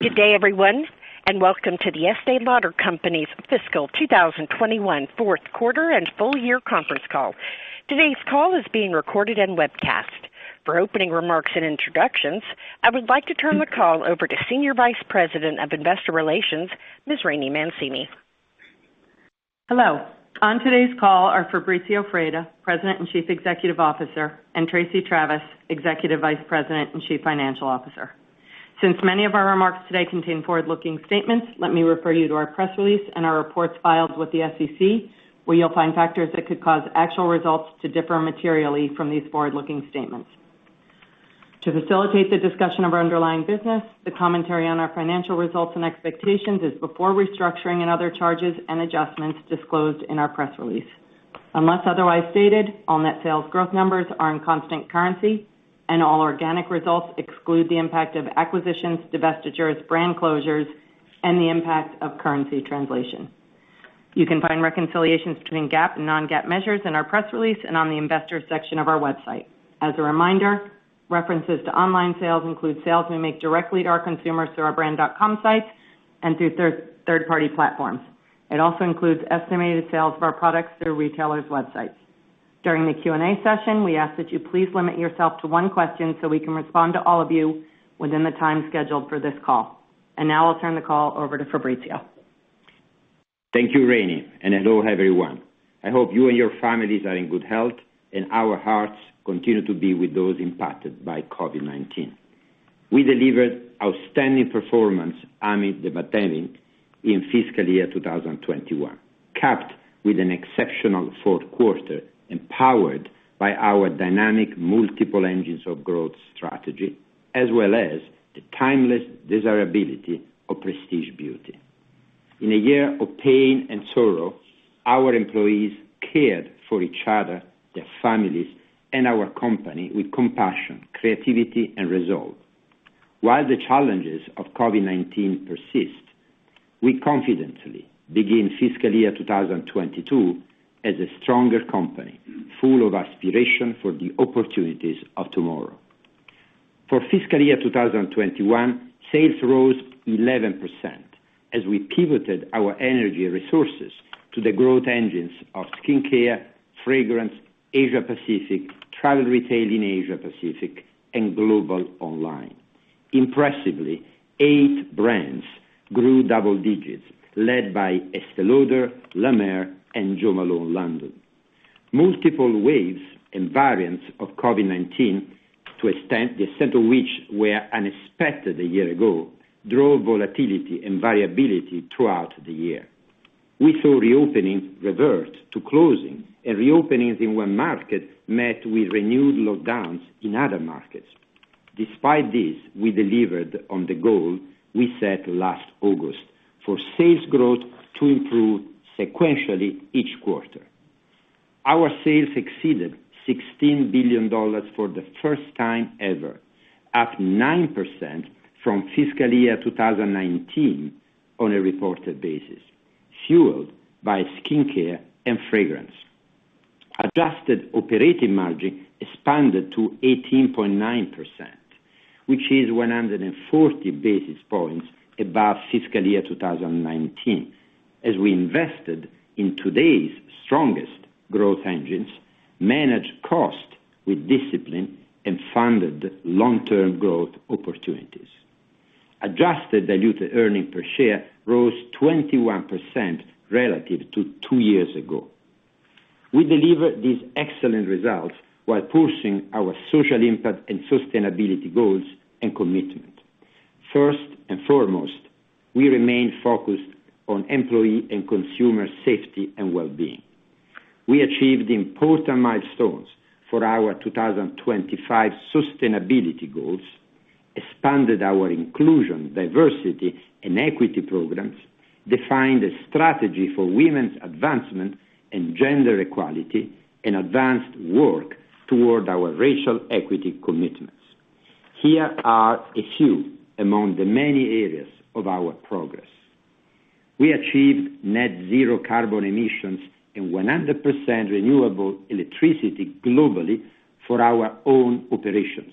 Good day, everyone, and welcome to The Estée Lauder Companies Fiscal 2021 fourth quarter and full year conference call. Today's call is being recorded and webcast. For opening remarks and introductions, I would like to turn the call over to Senior Vice President of Investor Relations, Ms. Rainey Mancini. Hello. On today's call are Fabrizio Freda, President and Chief Executive Officer, and Tracey Travis, Executive Vice President and Chief Financial Officer. Since many of our remarks today contain forward-looking statements, let me refer you to our press release and our reports filed with the SEC, where you'll find factors that could cause actual results to differ materially from these forward-looking statements. To facilitate the discussion of our underlying business, the commentary on our financial results and expectations is before restructuring and other charges and adjustments disclosed in our press release. Unless otherwise stated, all net sales growth numbers are in constant currency, and all organic results exclude the impact of acquisitions, divestitures, brand closures, and the impact of currency translation. You can find reconciliations between GAAP and non-GAAP measures in our press release and on the investor section of our website. As a reminder, references to online sales include sales we make directly to our consumers through our brand.com sites and through third-party platforms. It also includes estimated sales of our products through retailers' websites. During the Q&A session, we ask that you please limit yourself to one question so we can respond to all of you within the time scheduled for this call. Now I'll turn the call over to Fabrizio. Thank you, Rainey, and hello, everyone. I hope you and your families are in good health, and our hearts continue to be with those impacted by COVID-19. We delivered outstanding performance amid the pandemic in fiscal year 2021, capped with an exceptional fourth quarter, empowered by our dynamic multiple engines of growth strategy, as well as the timeless desirability of prestige beauty. In a year of pain and sorrow, our employees cared for each other, their families, and our company with compassion, creativity, and resolve. While the challenges of COVID-19 persist, we confidently begin fiscal year 2022 as a stronger company, full of aspiration for the opportunities of tomorrow. For fiscal year 2021, sales rose 11% as we pivoted our energy resources to the growth engines of skincare, fragrance, Asia Pacific, travel retail in Asia Pacific, and global online. Impressively, eight brands grew double digits, led by Estée Lauder, La Mer, and Jo Malone London. Multiple waves and variants of COVID-19, the extent of which were unexpected a year ago, drove volatility and variability throughout the year. We saw reopenings revert to closings, and reopenings in one market met with renewed lockdowns in other markets. Despite this, we delivered on the goal we set last August for sales growth to improve sequentially each quarter. Our sales exceeded $16 billion for the first time ever, up 9% from fiscal year 2019 on a reported basis, fueled by skincare and fragrance. Adjusted operating margin expanded to 18.9%, which is 140 basis points above fiscal year 2019, as we invested in today's strongest growth engines, managed cost with discipline, and funded long-term growth opportunities. Adjusted diluted earnings per share rose 21% relative to two years ago. We delivered these excellent results while pushing our social impact and sustainability goals and commitment. First and foremost, we remain focused on employee and consumer safety and wellbeing. We achieved important milestones for our 2025 sustainability goals, expanded our inclusion, diversity, and equity programs, defined a strategy for women's advancement in gender equality, and advanced work toward our racial equity commitments. Here are a few among the many areas of our progress. We achieved net zero carbon emissions and 100% renewable electricity globally for our own operations.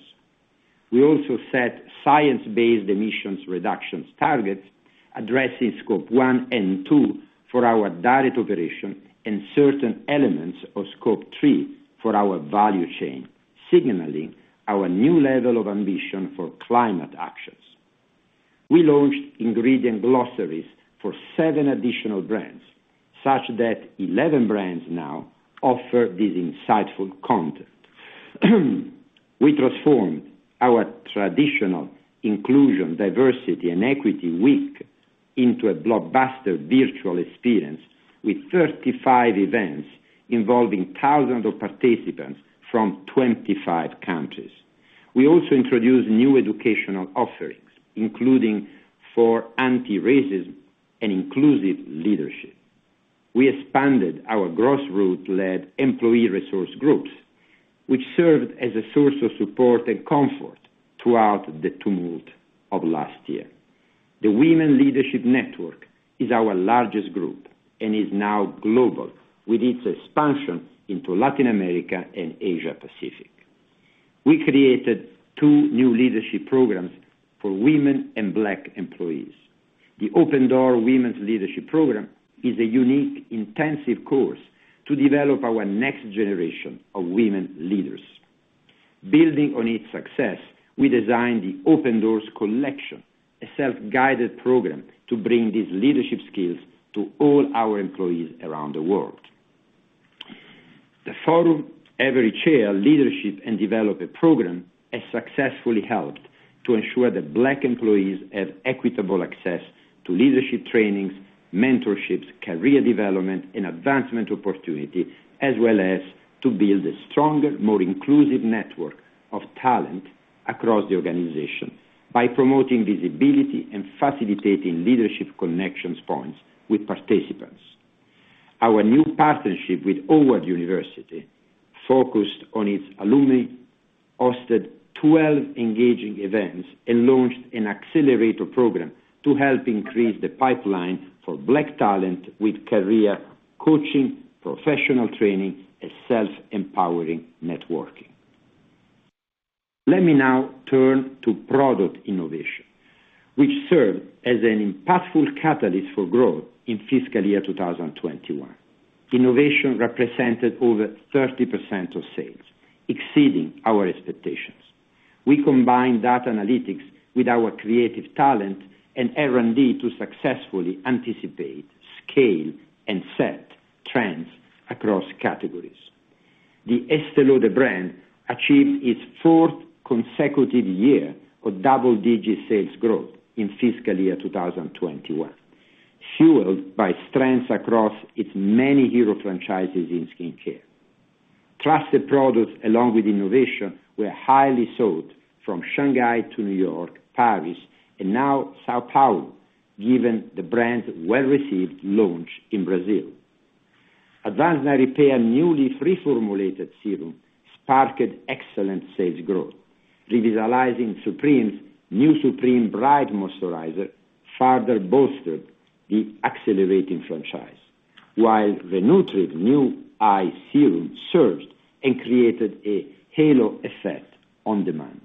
We also set science-based emissions reductions targets addressing Scope 1 and 2 for our direct operation and certain elements of Scope 3 for our value chain, signaling our new level of ambition for climate actions. We launched ingredient glossaries for seven additional brands, such that 11 brands now offer this insightful content. We transformed our traditional inclusion, diversity, and equity week into a blockbuster virtual experience with 35 events involving thousands of participants from 25 countries. We also introduced new educational offerings, including for anti-racism and inclusive leadership. We expanded our grassroots-led employee resource groups, which served as a source of support and comfort throughout the tumult of last year. The Women's Leadership Network is our largest group and is now global with its expansion into Latin America and Asia Pacific. We created two new leadership programs for women and Black employees. The Open Door Women's Leadership Program is a unique intensive course to develop our next generation of women leaders. Building on its success, we designed the Open Doors Collection, a self-guided program to bring these leadership skills to all our employees around the world. The Forum Every Chair Leadership and Development Program has successfully helped to ensure that Black employees have equitable access to leadership trainings, mentorships, career development, and advancement opportunity, as well as to build a stronger, more inclusive network of talent across the organization by promoting visibility and facilitating leadership connection points with participants. Our new partnership with Howard University, focused on its alumni, hosted 12 engaging events and launched an accelerator program to help increase the pipeline for Black talent with career coaching, professional training, and self-empowering networking. Let me now turn to product innovation, which served as an impactful catalyst for growth in fiscal year 2021. Innovation represented over 30% of sales, exceeding our expectations. We combined data analytics with our creative talent and R&D to successfully anticipate, scale, and set trends across categories. The Estée Lauder brand achieved its fourth consecutive year of double-digit sales growth in fiscal year 2021, fueled by strengths across its many hero franchises in skincare. Trusted products, along with innovation, were highly sought from Shanghai to New York, Paris, and now São Paulo, given the brand's well-received launch in Brazil. Advanced Night Repair newly reformulated serum sparked excellent sales growth. Revitalizing Supreme+'s new Supreme Bright moisturizer further bolstered the accelerating franchise, while Re-Nutriv new eye serum surged and created a halo effect on demand.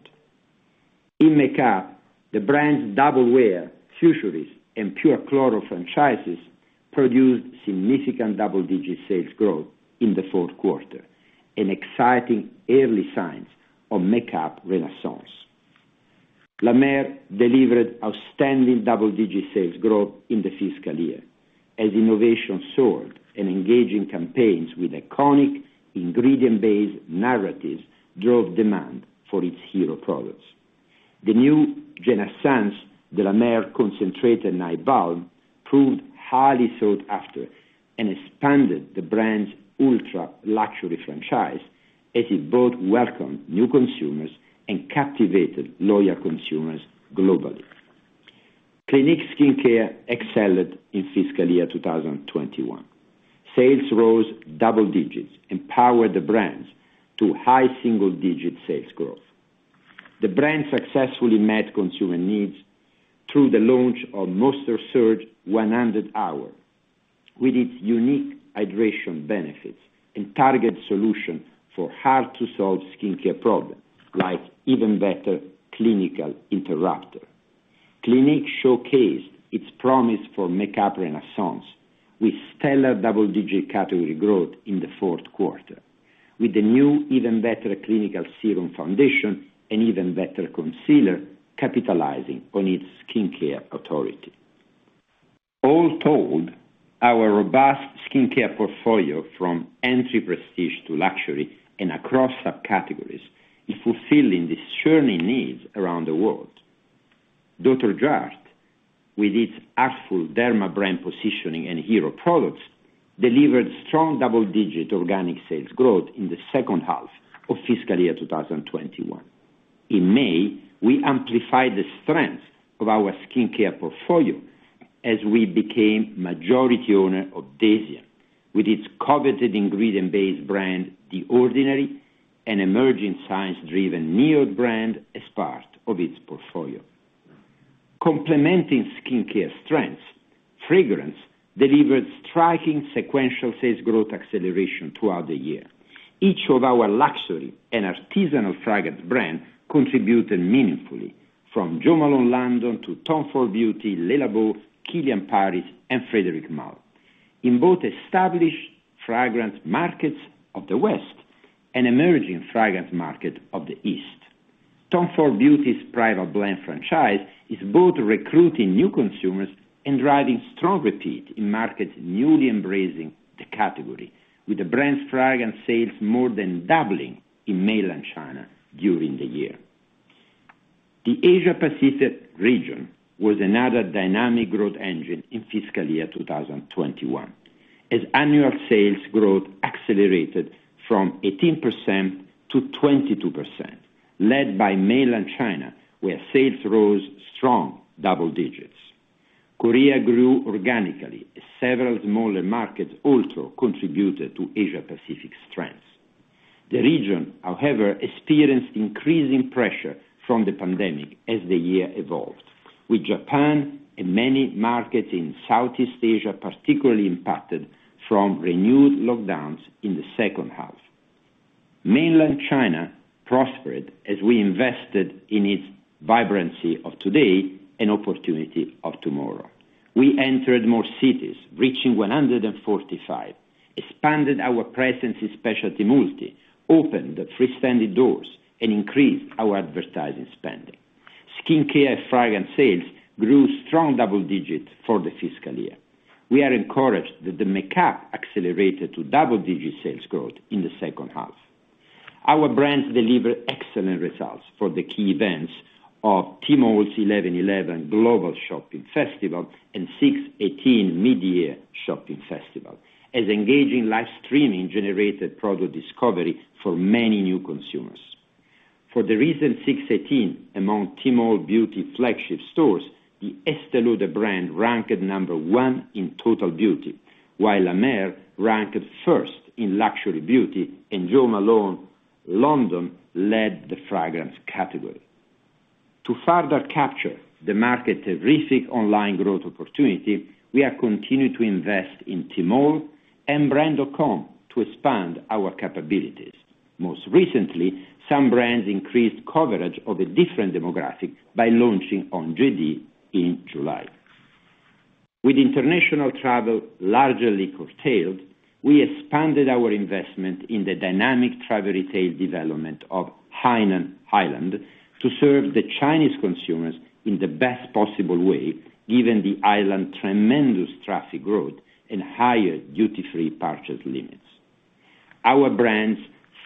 In makeup, the brand's Double Wear, Futurist, and Pure Color franchises produced significant double-digit sales growth in the 4th quarter, an exciting early sign of makeup renaissance. La Mer delivered outstanding double-digit sales growth in the fiscal year as innovation soared and engaging campaigns with iconic ingredient-based narratives drove demand for its hero products. The new Genaissance de La Mer The Concentrated Night Balm proved highly sought after and expanded the brand's ultra-luxury franchise as it both welcomed new consumers and captivated loyal consumers globally. Clinique skincare excelled in fiscal year 2021. Sales rose double digits, empowered the brands to high single-digit sales growth. The brand successfully met consumer needs through the launch of Moisture Surge 100H Auto-Replenishing Hydrator. With its unique hydration benefits and targeted solution for hard-to-solve skincare problems, like Even Better Clinical Radical Dark Spot Corrector + Interrupter. Clinique showcased its promise for makeup renaissance with stellar double-digit category growth in the fourth quarter. With the new Even Better Clinical Serum Foundation and Even Better concealer capitalizing on its skincare authority. All told, our robust skincare portfolio from entry prestige to luxury and across subcategories is fulfilling discerning needs around the world. Dr. Jart+, with its artful derma brand positioning and hero products, delivered strong double-digit organic sales growth in the second half of fiscal year 2021. In May, we amplified the strength of our skincare portfolio as we became majority owner of DECIEM, with its coveted ingredient-based brand, The Ordinary, an emerging science-driven NIOD brand as part of its portfolio. Complementing skincare strengths, fragrance delivered striking sequential sales growth acceleration throughout the year. Each of our luxury and artisanal fragrance brands contributed meaningfully, from Jo Malone London to Tom Ford Beauty, Le Labo, Kilian Paris, and Frédéric Malle. In both established fragrance markets of the West and emerging fragrance markets of the East, Tom Ford Beauty's Private Blend franchise is both recruiting new consumers and driving strong repeat in markets newly embracing the category with the brand's fragrance sales more than doubling in mainland China during the year. The Asia Pacific region was another dynamic growth engine in fiscal year 2021, as annual sales growth accelerated from 18%-22%, led by mainland China, where sales rose strong double digits. Korea grew organically, as several smaller markets also contributed to Asia Pacific's strength. The region, however, experienced increasing pressure from the pandemic as the year evolved, with Japan and many markets in Southeast Asia particularly impacted from renewed lockdowns in the second half. Mainland China prospered as we invested in its vibrancy of today and opportunity of tomorrow. We entered more cities, reaching 145, expanded our presence in specialty multi, opened freestanding doors, and increased our advertising spending. Skincare and fragrance sales grew strong double digits for the fiscal year. We are encouraged that the makeup accelerated to double-digit sales growth in the second half. Our brands delivered excellent results for the key events of Tmall's 11.11 Global Shopping Festival and 6.18 Mid-Year Shopping Festival, as engaging live streaming generated product discovery for many new consumers. For the recent 6.18 among Tmall beauty flagship stores, the Estée Lauder brand ranked number one in total beauty, while La Mer ranked first in luxury beauty, and Jo Malone London led the fragrance category. To further capture the market's terrific online growth opportunity, we are continuing to invest in Tmall and brand.com to expand our capabilities. Most recently, some brands increased coverage of a different demographic by launching on JD in July. With international travel largely curtailed, we expanded our investment in the dynamic travel retail development of Hainan Island to serve the Chinese consumers in the best possible way, given the island's tremendous traffic growth and higher duty-free purchase limits. Our brands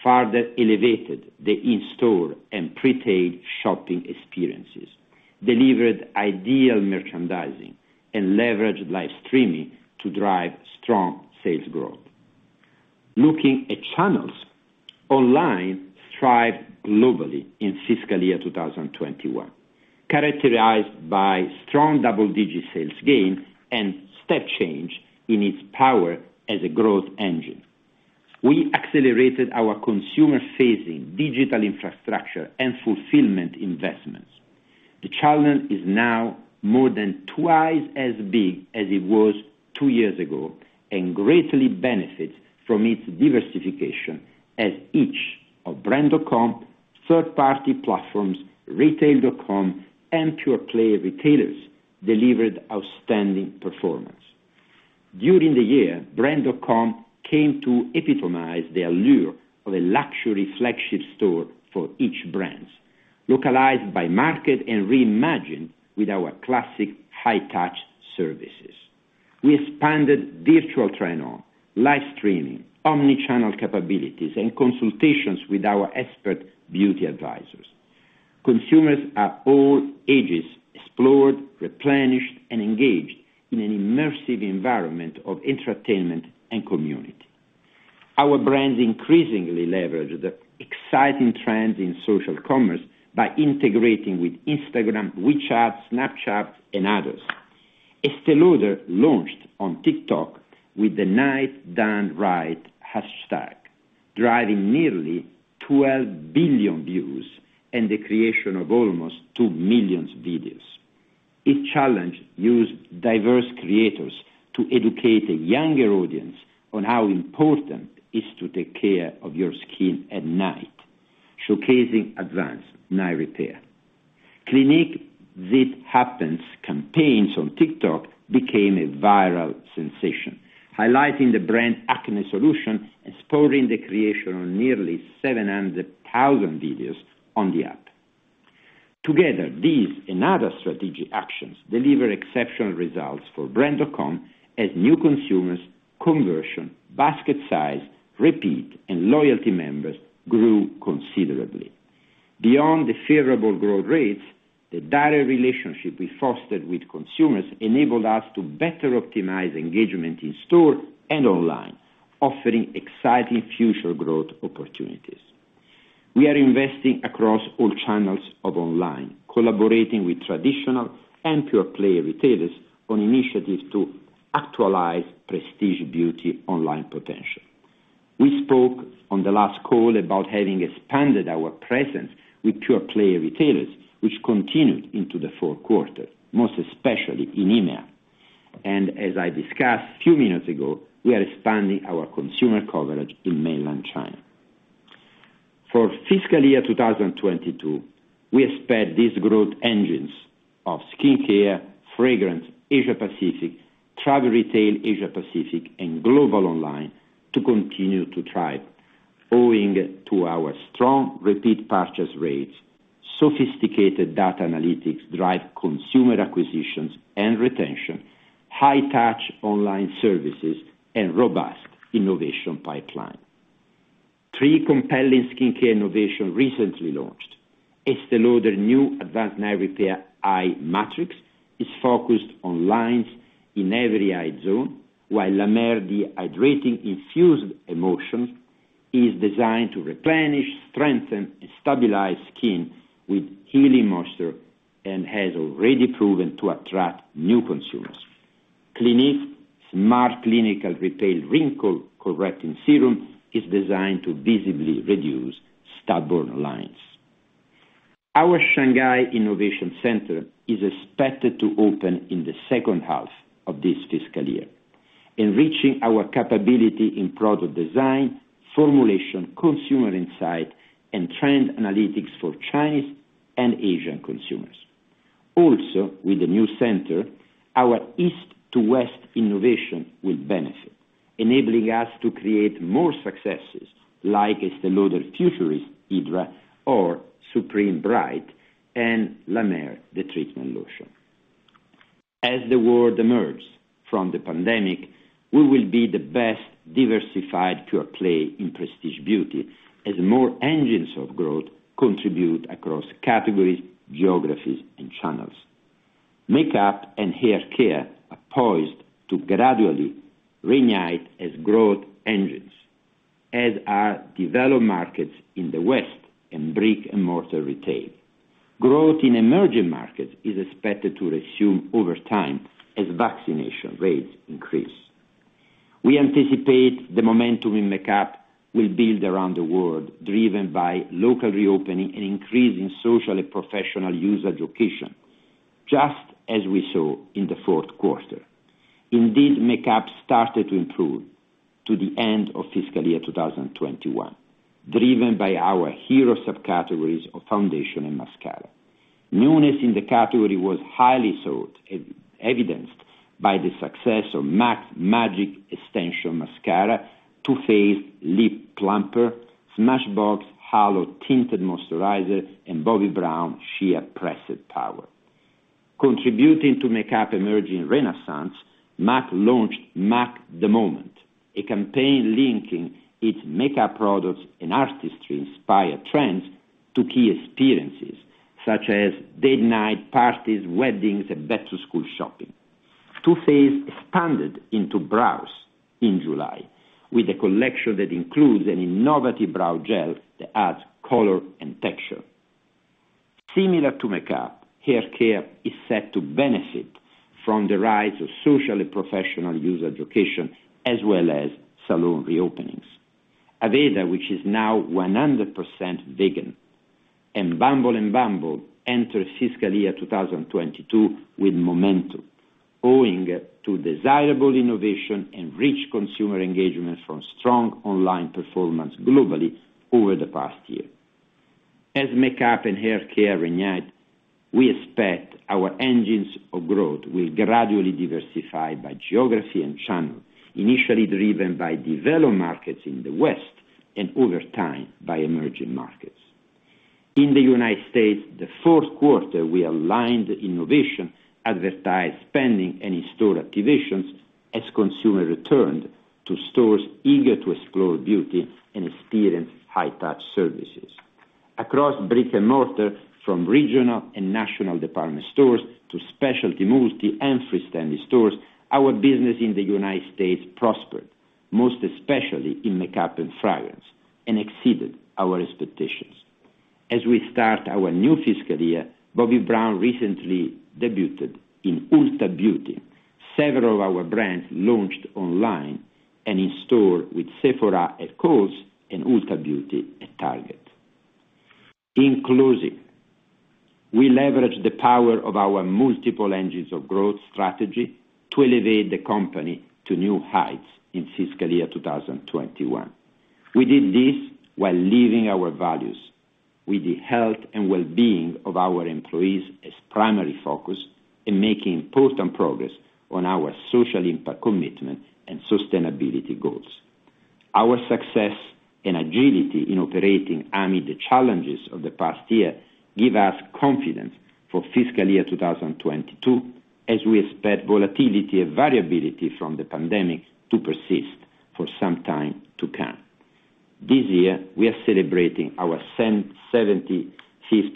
further elevated the in-store and pre-tail shopping experiences, delivered ideal merchandising, and leveraged live streaming to drive strong sales growth. Looking at channels, online thrived globally in fiscal year 2021, characterized by strong double-digit sales gains and step change in its power as a growth engine. We accelerated our consumer-facing digital infrastructure and fulfillment investments. The challenge is now more than twice as big as it was two years ago and greatly benefits from its diversification as each of brand.com, third-party platforms, retail.com, and pure-play retailers delivered outstanding performance. During the year, brand.com came to epitomize the allure of a luxury flagship store for each brand, localized by market and reimagined with our classic high-touch services. We expanded virtual try-on, live streaming, omni-channel capabilities, and consultations with our expert beauty advisors. Consumers of all ages explored, replenished, and engaged in an immersive environment of entertainment and community. Our brands increasingly leverage the exciting trends in social commerce by integrating with Instagram, WeChat, Snapchat, and others. Estée Lauder launched on TikTok with the #NightDoneRight hashtag, driving nearly 12 billion views and the creation of almost 2 million videos. Each challenge used diverse creators to educate a younger audience on how important it is to take care of your skin at night, showcasing Advanced Night Repair. Clinique #ZitHappens campaigns on TikTok became a viral sensation, highlighting the brand acne solution and spurring the creation of nearly 700,000 videos on the app. Together, these and other strategic actions deliver exceptional results for brand.com as new consumers conversion, basket size, repeat, and loyalty members grew considerably. Beyond the favorable growth rates, the direct relationship we fostered with consumers enabled us to better optimize engagement in-store and online, offering exciting future growth opportunities. We are investing across all channels of online, collaborating with traditional and pure-play retailers on initiatives to actualize prestige beauty online potential. We spoke on the last call about having expanded our presence with pure-play retailers, which continued into the fourth quarter, most especially in EMEA. As I discussed a few minutes ago, we are expanding our consumer coverage in mainland China. For fiscal year 2022, we expect these growth engines of skincare, fragrance, Asia-Pacific, travel retail Asia-Pacific, and global online to continue to thrive owing to our strong repeat purchase rates, sophisticated data analytics drive consumer acquisitions and retention, high-touch online services, and robust innovation pipeline. Three compelling skincare innovation recently launched. Estée Lauder's new Advanced Night Repair Eye Concentrate Matrix is focused on lines in every eye zone, while La Mer The Hydrating Infused Emulsion is designed to replenish, strengthen, and stabilize skin with healing moisture and has already proven to attract new consumers. Clinique Smart Clinical Repair Wrinkle Correcting Serum is designed to visibly reduce stubborn lines. Our Shanghai Innovation Center is expected to open in the second half of this fiscal year, enriching our capability in product design, formulation, consumer insight, and trend analytics for Chinese and Asian consumers. With the new center, our East to West innovation will benefit, enabling us to create more successes like Estée Lauder Futurist Hydra Rescue or Revitalizing Supreme+ Bright, and La Mer The Treatment Lotion. As the world emerges from the pandemic, we will be the best diversified pure-play in prestige beauty as more engines of growth contribute across categories, geographies, and channels. Makeup and haircare are poised to gradually reignite as growth engines, as are developed markets in the West, and brick-and-mortar retail. Growth in emerging markets is expected to resume over time as vaccination rates increase. We anticipate the momentum in makeup will build around the world, driven by local reopening and increase in social and professional user occasions, just as we saw in the fourth quarter. Indeed, makeup started to improve to the end of fiscal year 2021, driven by our hero subcategories of foundation and mascara. Newness in the category was highly sought, evidenced by the success of MAC's Magic Extension Mascara, Too Faced Lip Plumper, Smashbox Halo Tinted Moisturizer, and Bobbi Brown Sheer Pressed Powder. Contributing to makeup emerging renaissance, MAC launched MAC The Moment, a campaign linking its makeup products and artistry-inspired trends to key experiences such as date night, parties, weddings, and back-to-school shopping. Too Faced expanded into brows in July with a collection that includes an innovative brow gel that adds color and texture. Similar to makeup, haircare is set to benefit from the rise of social and professional user occasions, as well as salon reopenings. Aveda, which is now 100% vegan, and Bumble and bumble enter fiscal year 2022 with momentum owing to desirable innovation and rich consumer engagement from strong online performance globally over the past year. As makeup and haircare reignite, we expect our engines of growth will gradually diversify by geography and channel, initially driven by developed markets in the West, and over time, by emerging markets. In the United States, the fourth quarter, we aligned innovation, advertised spending, and in-store activations as consumers returned to stores eager to explore beauty and experience high-touch services. Across brick-and-mortar, from regional and national department stores to specialty, multi, and freestanding stores, our business in the United States prospered, most especially in makeup and fragrance, and exceeded our expectations. As we start our new fiscal year, Bobbi Brown recently debuted in Ulta Beauty. Several of our brands launched online and in-store with Sephora at Kohl's and Ulta Beauty at Target. In closing, we leveraged the power of our multiple engines of growth strategy to elevate the company to new heights in fiscal year 2021. We did this while living our values with the health and well-being of our employees as primary focus in making important progress on our social impact commitment and sustainability goals. Our success and agility in operating amid the challenges of the past year give us confidence for fiscal year 2022, as we expect volatility and variability from the pandemic to persist for some time to come. This year, we are celebrating our 75th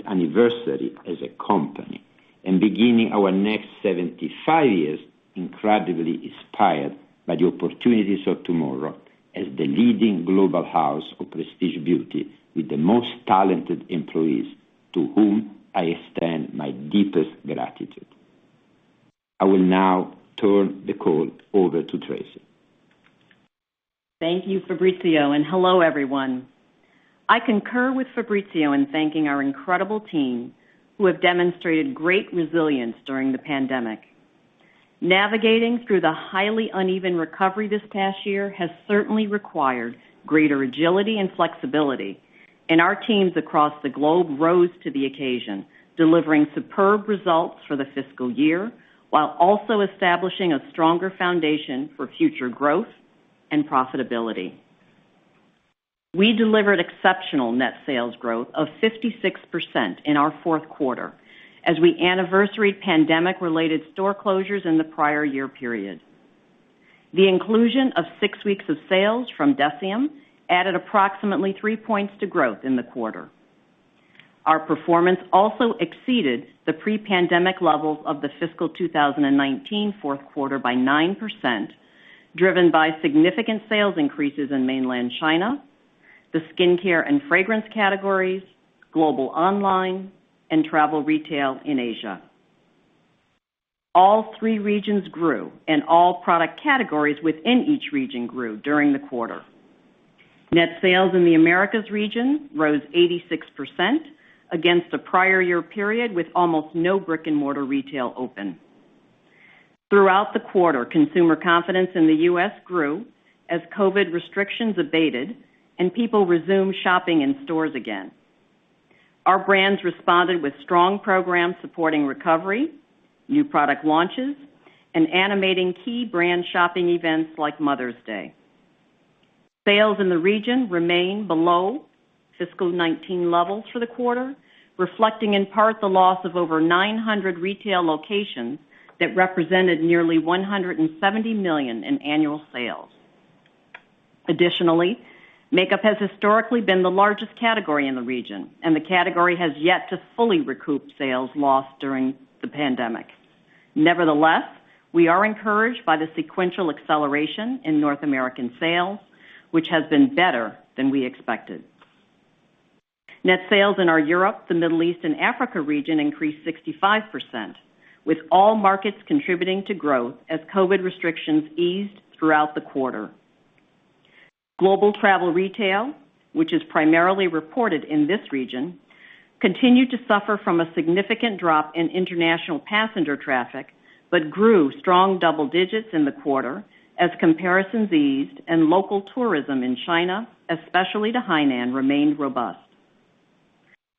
anniversary as a company, and beginning our next 75 years incredibly inspired by the opportunities of tomorrow as the leading global house of prestige beauty with the most talented employees, to whom I extend my deepest gratitude. I will now turn the call over to Tracey. Thank you, Fabrizio, and hello, everyone. I concur with Fabrizio in thanking our incredible team who have demonstrated great resilience during the pandemic. Navigating through the highly uneven recovery this past year has certainly required greater agility and flexibility, and our teams across the globe rose to the occasion, delivering superb results for the fiscal year, while also establishing a stronger foundation for future growth and profitability. We delivered exceptional net sales growth of 56% in our fourth quarter as we anniversaryed pandemic-related store closures in the prior year period. The inclusion of six weeks of sales from DECIEM added approximately 3 points to growth in the quarter. Our performance also exceeded the pre-pandemic levels of the fiscal 2019 fourth quarter by 9%, driven by significant sales increases in Mainland China, the skincare and fragrance categories, global online, and travel retail in Asia. All 3 regions grew, and all product categories within each region grew during the quarter. Net sales in the Americas region rose 86% against a prior year period with almost no brick-and-mortar retail open. Throughout the quarter, consumer confidence in the U.S. grew as COVID restrictions abated and people resumed shopping in stores again. Our brands responded with strong programs supporting recovery, new product launches, and animating key brand shopping events like Mother's Day. Sales in the region remain below fiscal 2019 levels for the quarter, reflecting in part the loss of over 900 retail locations that represented nearly $170 million in annual sales. Additionally, makeup has historically been the largest category in the region, and the category has yet to fully recoup sales lost during the pandemic. Nevertheless, we are encouraged by the sequential acceleration in North American sales, which has been better than we expected. Net sales in our Europe, the Middle East, and Africa region increased 65%, with all markets contributing to growth as COVID restrictions eased throughout the quarter. Global travel retail, which is primarily reported in this region, continued to suffer from a significant drop in international passenger traffic, but grew strong double digits in the quarter as comparisons eased and local tourism in China, especially to Hainan, remained robust.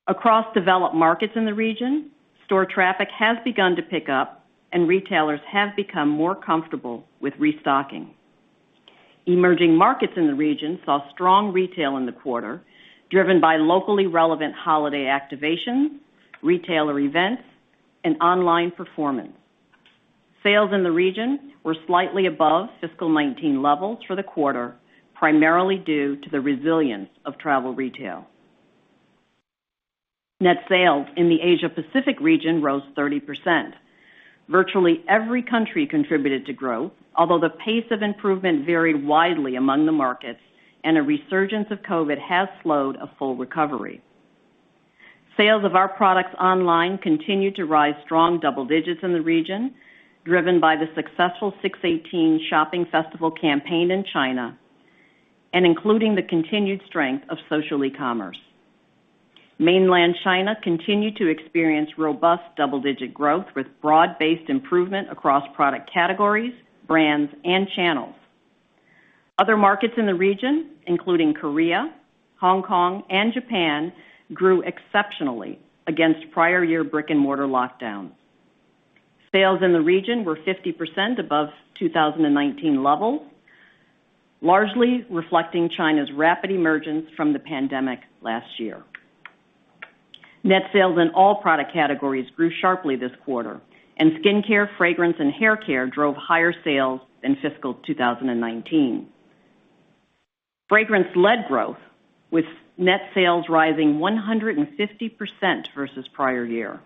Across developed markets in the region, store traffic has begun to pick up, and retailers have become more comfortable with restocking. Emerging markets in the region saw strong retail in the quarter, driven by locally relevant holiday activations, retailer events, and online performance. Sales in the region were slightly above fiscal 2019 levels for the quarter, primarily due to the resilience of travel retail. Net sales in the Asia Pacific region rose 30%. Virtually every country contributed to growth, although the pace of improvement varied widely among the markets, and a resurgence of COVID has slowed a full recovery. Sales of our products online continued to rise strong double digits in the region, driven by the successful 618 Shopping Festival campaign in China and including the continued strength of social e-commerce. Mainland China continued to experience robust double-digit growth with broad-based improvement across product categories, brands, and channels. Other markets in the region, including Korea, Hong Kong, and Japan, grew exceptionally against prior year brick-and-mortar lockdowns. Sales in the region were 50% above 2019 levels, largely reflecting China's rapid emergence from the pandemic last year. Net sales in all product categories grew sharply this quarter, and skincare, fragrance, and haircare drove higher sales than fiscal 2019. Fragrance led growth, with net sales rising 150% versus the prior year.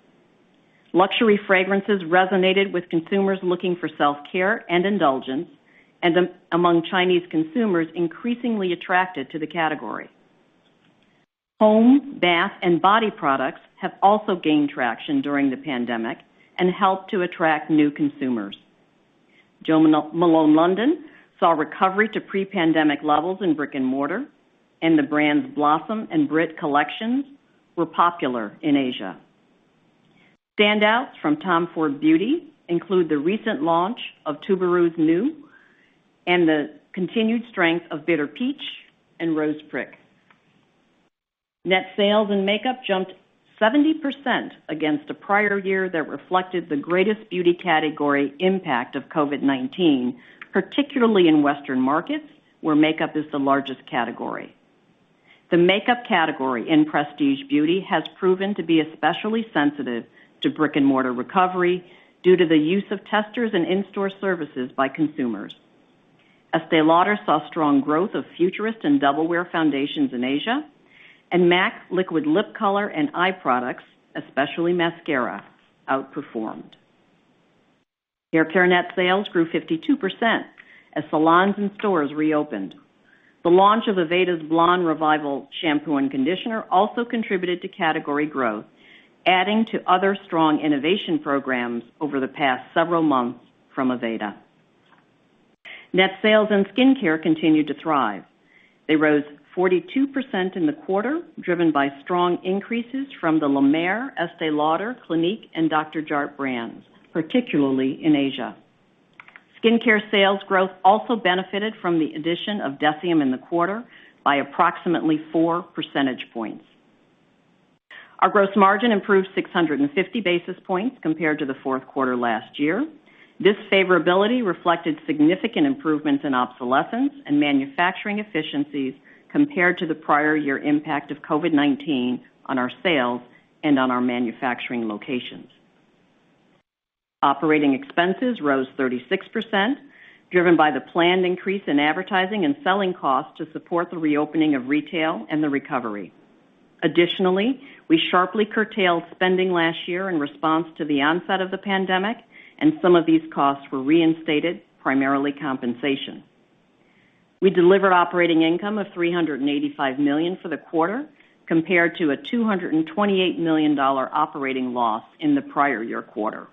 Luxury fragrances resonated with consumers looking for self-care and indulgence, and among Chinese consumers increasingly attracted to the category. Home, bath, and body products have also gained traction during the pandemic and helped to attract new consumers. Jo Malone London saw a recovery to pre-pandemic levels in brick-and-mortar, and the brand's Blossoms and Brit collections were popular in Asia. Standouts from Tom Ford Beauty include the recent launch of Tubéreuse Nue and the continued strength of Bitter Peach and Rose Prick. Net sales in makeup jumped 70% against a prior year that reflected the greatest beauty category impact of COVID-19, particularly in Western markets where makeup is the largest category. The makeup category in prestige beauty has proven to be especially sensitive to brick-and-mortar recovery due to the use of testers and in-store services by consumers. Estée Lauder saw strong growth of Futurist and Double Wear foundations in Asia, and MAC liquid lip color and eye products, especially mascara, outperformed. Haircare net sales grew 52% as salons and stores reopened. The launch of Aveda's Blonde Revival shampoo and conditioner also contributed to category growth, adding to other strong innovation programs over the past several months from Aveda. Net sales and skincare continued to thrive. They rose 42% in the quarter, driven by strong increases from the La Mer, Estée Lauder, Clinique, and Dr. Jart+ brands, particularly in Asia. Skincare sales growth also benefited from the addition of DECIEM in the quarter by approximately 4 percentage points. Our gross margin improved 650 basis points compared to the fourth quarter last year. This favorability reflected significant improvements in obsolescence and manufacturing efficiencies compared to the prior year impact of COVID-19 on our sales and on our manufacturing locations. Operating expenses rose 36%, driven by the planned increase in advertising and selling costs to support the reopening of retail and the recovery. Additionally, we sharply curtailed spending last year in response to the onset of the pandemic, and some of these costs were reinstated, primarily compensation. We delivered operating income of $385 million for the quarter, compared to a $228 million operating loss in the prior year quarter.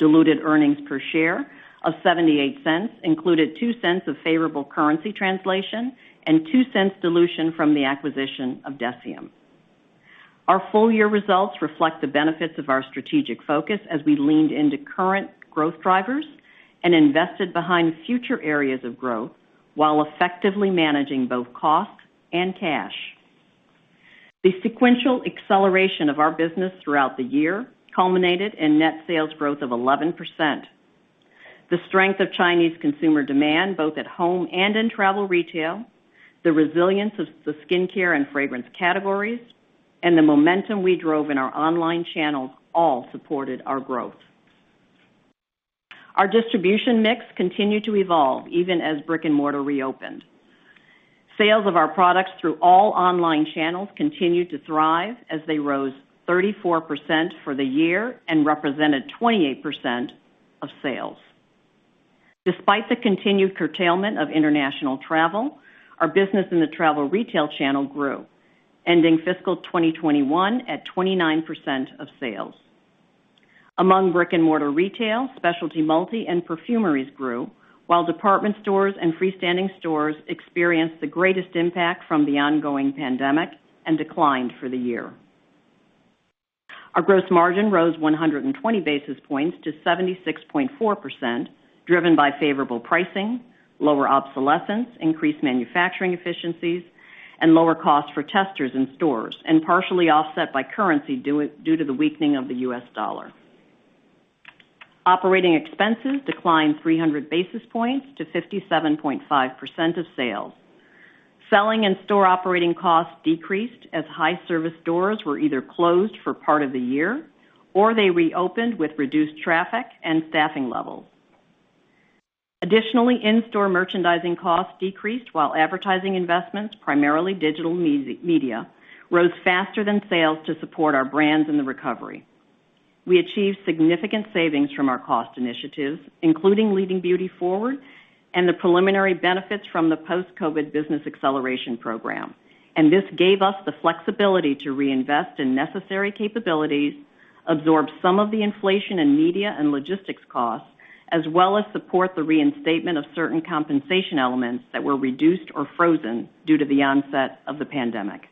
Diluted earnings per share of $0.78 included $0.02 of favorable currency translation and $0.02 dilution from the acquisition of DECIEM. Our full-year results reflect the benefits of our strategic focus as we leaned into current growth drivers and invested behind future areas of growth while effectively managing both costs and cash. The sequential acceleration of our business throughout the year culminated in net sales growth of 11%. The strength of Chinese consumer demand, both at home and in travel retail, the resilience of the skincare and fragrance categories, and the momentum we drove in our online channels all supported our growth. Our distribution mix continued to evolve even as brick-and-mortar reopened. Sales of our products through all online channels continued to thrive as they rose 34% for the year and represented 28% of sales. Despite the continued curtailment of international travel, our business in the travel retail channel grew, ending fiscal 2021 at 29% of sales. Among brick-and-mortar retail, specialty multi and perfumeries grew, while department stores and freestanding stores experienced the greatest impact from the ongoing pandemic and declined for the year. Our gross margin rose 120 basis points to 76.4%, driven by favorable pricing, lower obsolescence, increased manufacturing efficiencies, and lower costs for testers in stores, and partially offset by currency due to the weakening of the US dollar. Operating expenses declined 300 basis points to 57.5% of sales. Selling and store operating costs decreased as high service stores were either closed for part of the year, or they reopened with reduced traffic and staffing levels. Additionally, in-store merchandising costs decreased while advertising investments, primarily digital media, rose faster than sales to support our brands in the recovery. We achieved significant savings from our cost initiatives, including Leading Beauty Forward and the preliminary benefits from the Post-COVID Business Acceleration Program. This gave us the flexibility to reinvest in necessary capabilities, absorb some of the inflation in media and logistics costs, as well as support the reinstatement of certain compensation elements that were reduced or frozen due to the onset of the pandemic.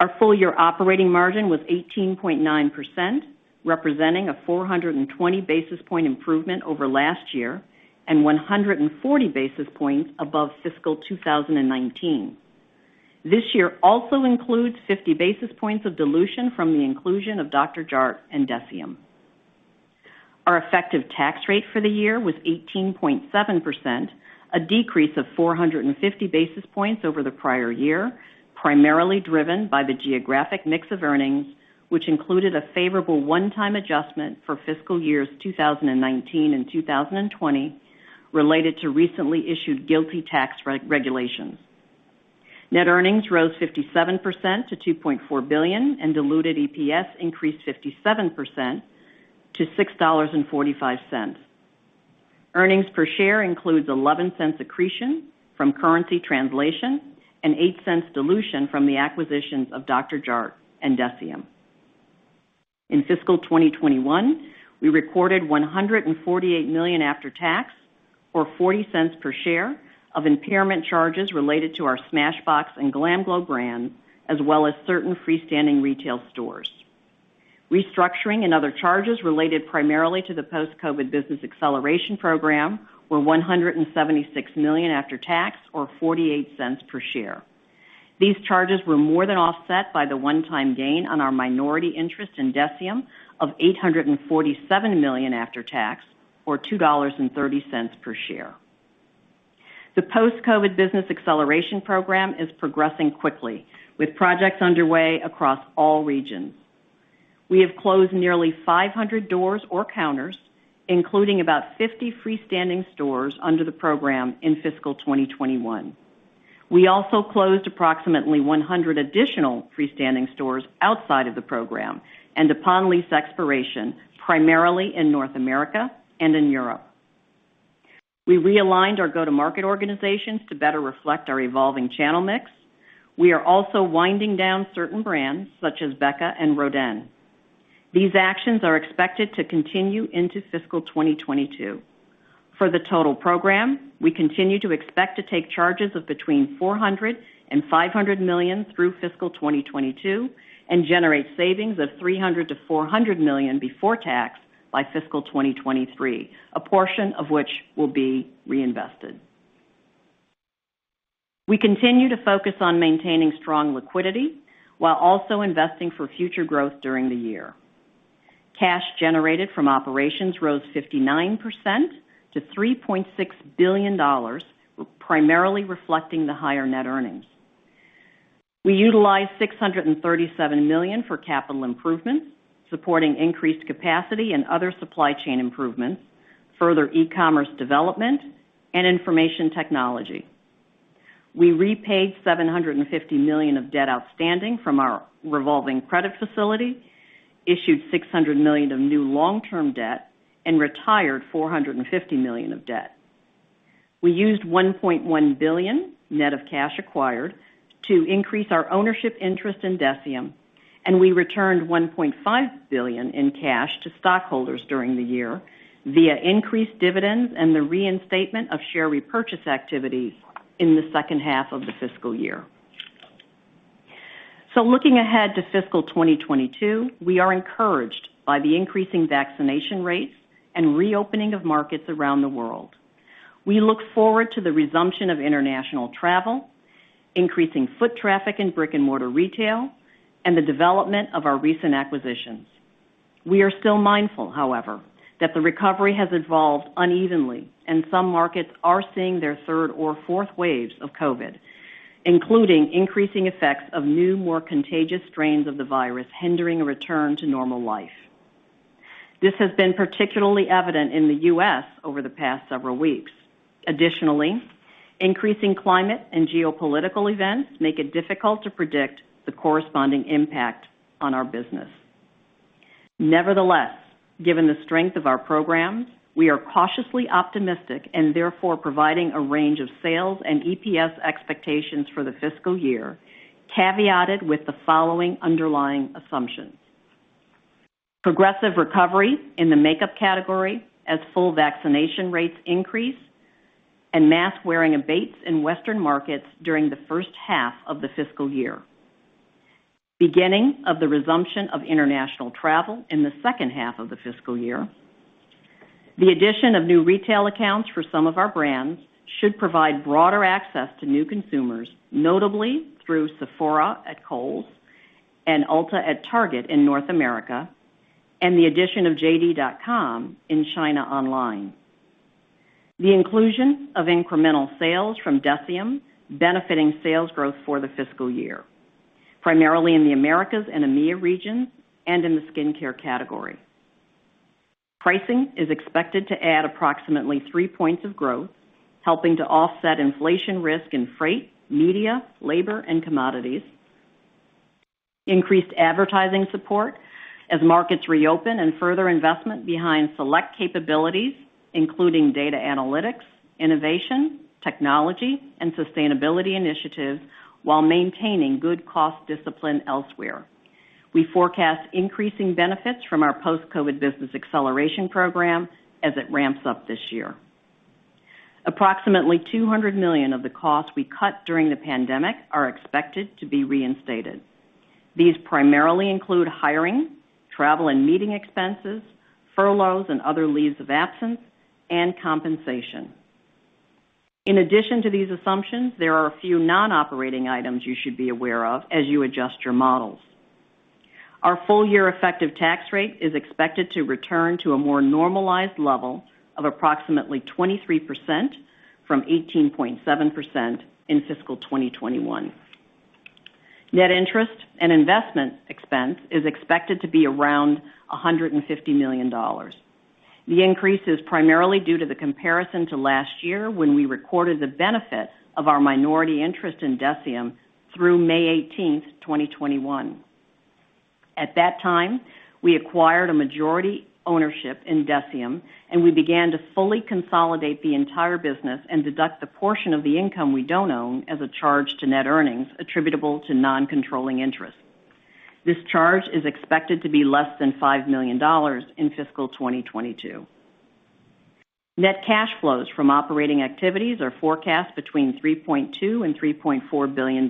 Our full-year operating margin was 18.9%, representing a 420 basis point improvement over last year and 140 basis points above fiscal 2019. This year also includes 50 basis points of dilution from the inclusion of Dr. Jart+ and DECIEM. Our effective tax rate for the year was 18.7%, a decrease of 450 basis points over the prior year, primarily driven by the geographic mix of earnings, which included a favorable one-time adjustment for fiscal years 2019 and 2020 related to recently issued GILTI tax regulations. Net earnings rose 57% to $2.4 billion, and diluted EPS increased 57% to $6.45. Earnings per share includes $0.11 accretion from currency translation and $0.08 dilution from the acquisitions of Dr. Jart+ and DECIEM. In fiscal 2021, we recorded $148 million after tax, or $0.40 per share, of impairment charges related to our Smashbox and GLAMGLOW brands, as well as certain freestanding retail stores. Restructuring and other charges related primarily to the Post-COVID Business Acceleration Program were $176 million after tax, or $0.48 per share. These charges were more than offset by the one-time gain on our minority interest in DECIEM of $847 million after tax, or $2.30 per share. The Post-COVID Business Acceleration Program is progressing quickly, with projects underway across all regions. We have closed nearly 500 doors or counters, including about 50 freestanding stores under the program in fiscal 2021. We also closed approximately 100 additional freestanding stores outside of the program and upon lease expiration, primarily in North America and in Europe. We realigned our go-to-market organizations to better reflect our evolving channel mix. We are also winding down certain brands such as Becca and Rodin. These actions are expected to continue into fiscal 2022. For the total program, we continue to expect to take charges of between $400 and $500 million through fiscal 2022 and generate savings of $300-$400 million before tax by fiscal 2023, a portion of which will be reinvested. We continue to focus on maintaining strong liquidity while also investing for future growth during the year. Cash generated from operations rose 59% to $3.6 billion, primarily reflecting the higher net earnings. We utilized $637 million for capital improvements, supporting increased capacity and other supply chain improvements, further e-commerce development and information technology. We repaid $750 million of debt outstanding from our revolving credit facility, issued $600 million of new long-term debt, and retired $450 million of debt. We used $1.1 billion, net of cash acquired, to increase our ownership interest in DECIEM. We returned $1.5 billion in cash to stockholders during the year via increased dividends and the reinstatement of share repurchase activities in the second half of the fiscal year. Looking ahead to fiscal 2022, we are encouraged by the increasing vaccination rates and reopening of markets around the world. We look forward to the resumption of international travel, increasing foot traffic in brick-and-mortar retail, and the development of our recent acquisitions. We are still mindful, however, that the recovery has evolved unevenly, and some markets are seeing their third or fourth waves of COVID, including increasing effects of new, more contagious strains of the virus hindering a return to normal life. This has been particularly evident in the U.S. over the past several weeks. Increasing climate and geopolitical events make it difficult to predict the corresponding impact on our business. Given the strength of our programs, we are cautiously optimistic and therefore providing a range of sales and EPS expectations for the fiscal year, caveated with the following underlying assumptions. Progressive recovery in the makeup category as full vaccination rates increase and mask-wearing abates in Western markets during the first half of the fiscal year. Beginning of the resumption of international travel in the second half of the fiscal year. The addition of new retail accounts for some of our brands should provide broader access to new consumers, notably through Sephora at Kohl's and Ulta at Target in North America, and the addition of JD.com in China online. The inclusion of incremental sales from DECIEM benefiting sales growth for the fiscal year, primarily in the Americas and EMEA regions and in the skincare category. Pricing is expected to add approximately 3 points of growth, helping to offset inflation risk in freight, media, labor, and commodities. Increased advertising support as markets reopen and further investment behind select capabilities, including data analytics, innovation, technology, and sustainability initiatives, while maintaining good cost discipline elsewhere. We forecast increasing benefits from our Post-COVID Business Acceleration Program as it ramps up this year. Approximately $200 million of the costs we cut during the pandemic are expected to be reinstated. These primarily include hiring, travel and meeting expenses, furloughs and other leaves of absence, and compensation. In addition to these assumptions, there are a few non-operating items you should be aware of as you adjust your models. Our full-year effective tax rate is expected to return to a more normalized level of approximately 23% from 18.7% in fiscal 2021. Net interest and investment expense is expected to be around $150 million. The increase is primarily due to the comparison to last year when we recorded the benefit of our minority interest in DECIEM through May 18th, 2021. At that time, we acquired a majority ownership in DECIEM, and we began to fully consolidate the entire business and deduct the portion of the income we don't own as a charge to net earnings attributable to non-controlling interests. This charge is expected to be less than $5 million in fiscal 2022. Net cash flows from operating activities are forecast between $3.2 billion and $3.4 billion.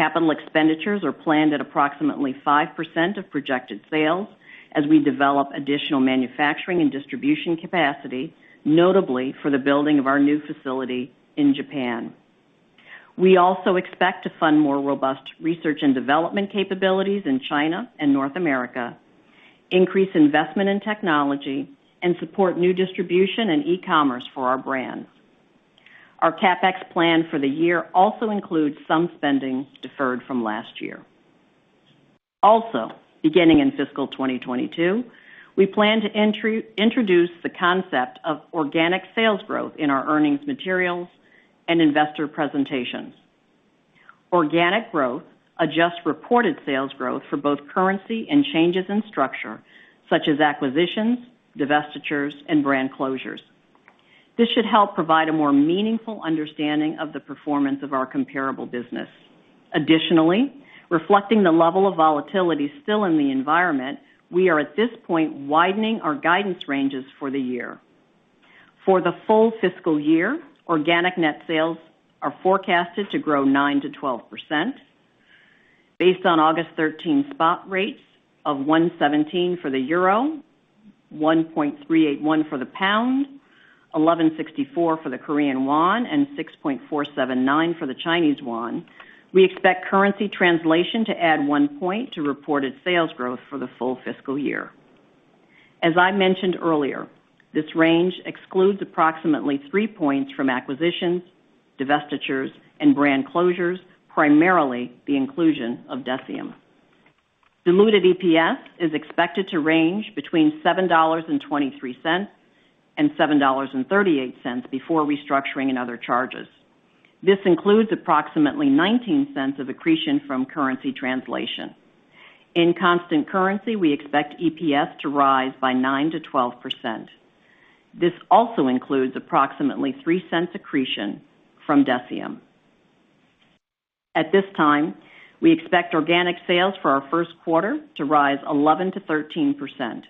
Capital expenditures are planned at approximately 5% of projected sales as we develop additional manufacturing and distribution capacity, notably for the building of our new facility in Japan. We also expect to fund more robust research and development capabilities in China and North America, increase investment in technology, and support new distribution and e-commerce for our brands. Our CapEx plan for the year also includes some spending deferred from last year. Beginning in fiscal 2022, we plan to introduce the concept of organic sales growth in our earnings materials and investor presentations. Organic growth adjusts reported sales growth for both currency and changes in structure, such as acquisitions, divestitures, and brand closures. This should help provide a more meaningful understanding of the performance of our comparable business. Additionally, reflecting the level of volatility still in the environment, we are at this point widening our guidance ranges for the year. For the full fiscal year, organic net sales are forecasted to grow 9%-12%. Based on August 13 spot rates of 117 for the euro, 1.381 for the pound, 1,164 for the Korean won, and 6.479 for the Chinese yuan, we expect currency translation to add 1 point to reported sales growth for the full fiscal year. As I mentioned earlier, this range excludes approximately 3 points from acquisitions, divestitures, and brand closures, primarily the inclusion of DECIEM. Diluted EPS is expected to range between $7.23 and $7.38 before restructuring and other charges. This includes approximately $0.19 of accretion from currency translation. In constant currency, we expect EPS to rise by 9%-12%. This also includes approximately $0.03 accretion from DECIEM. At this time, we expect organic sales for our first quarter to rise 11%-13%.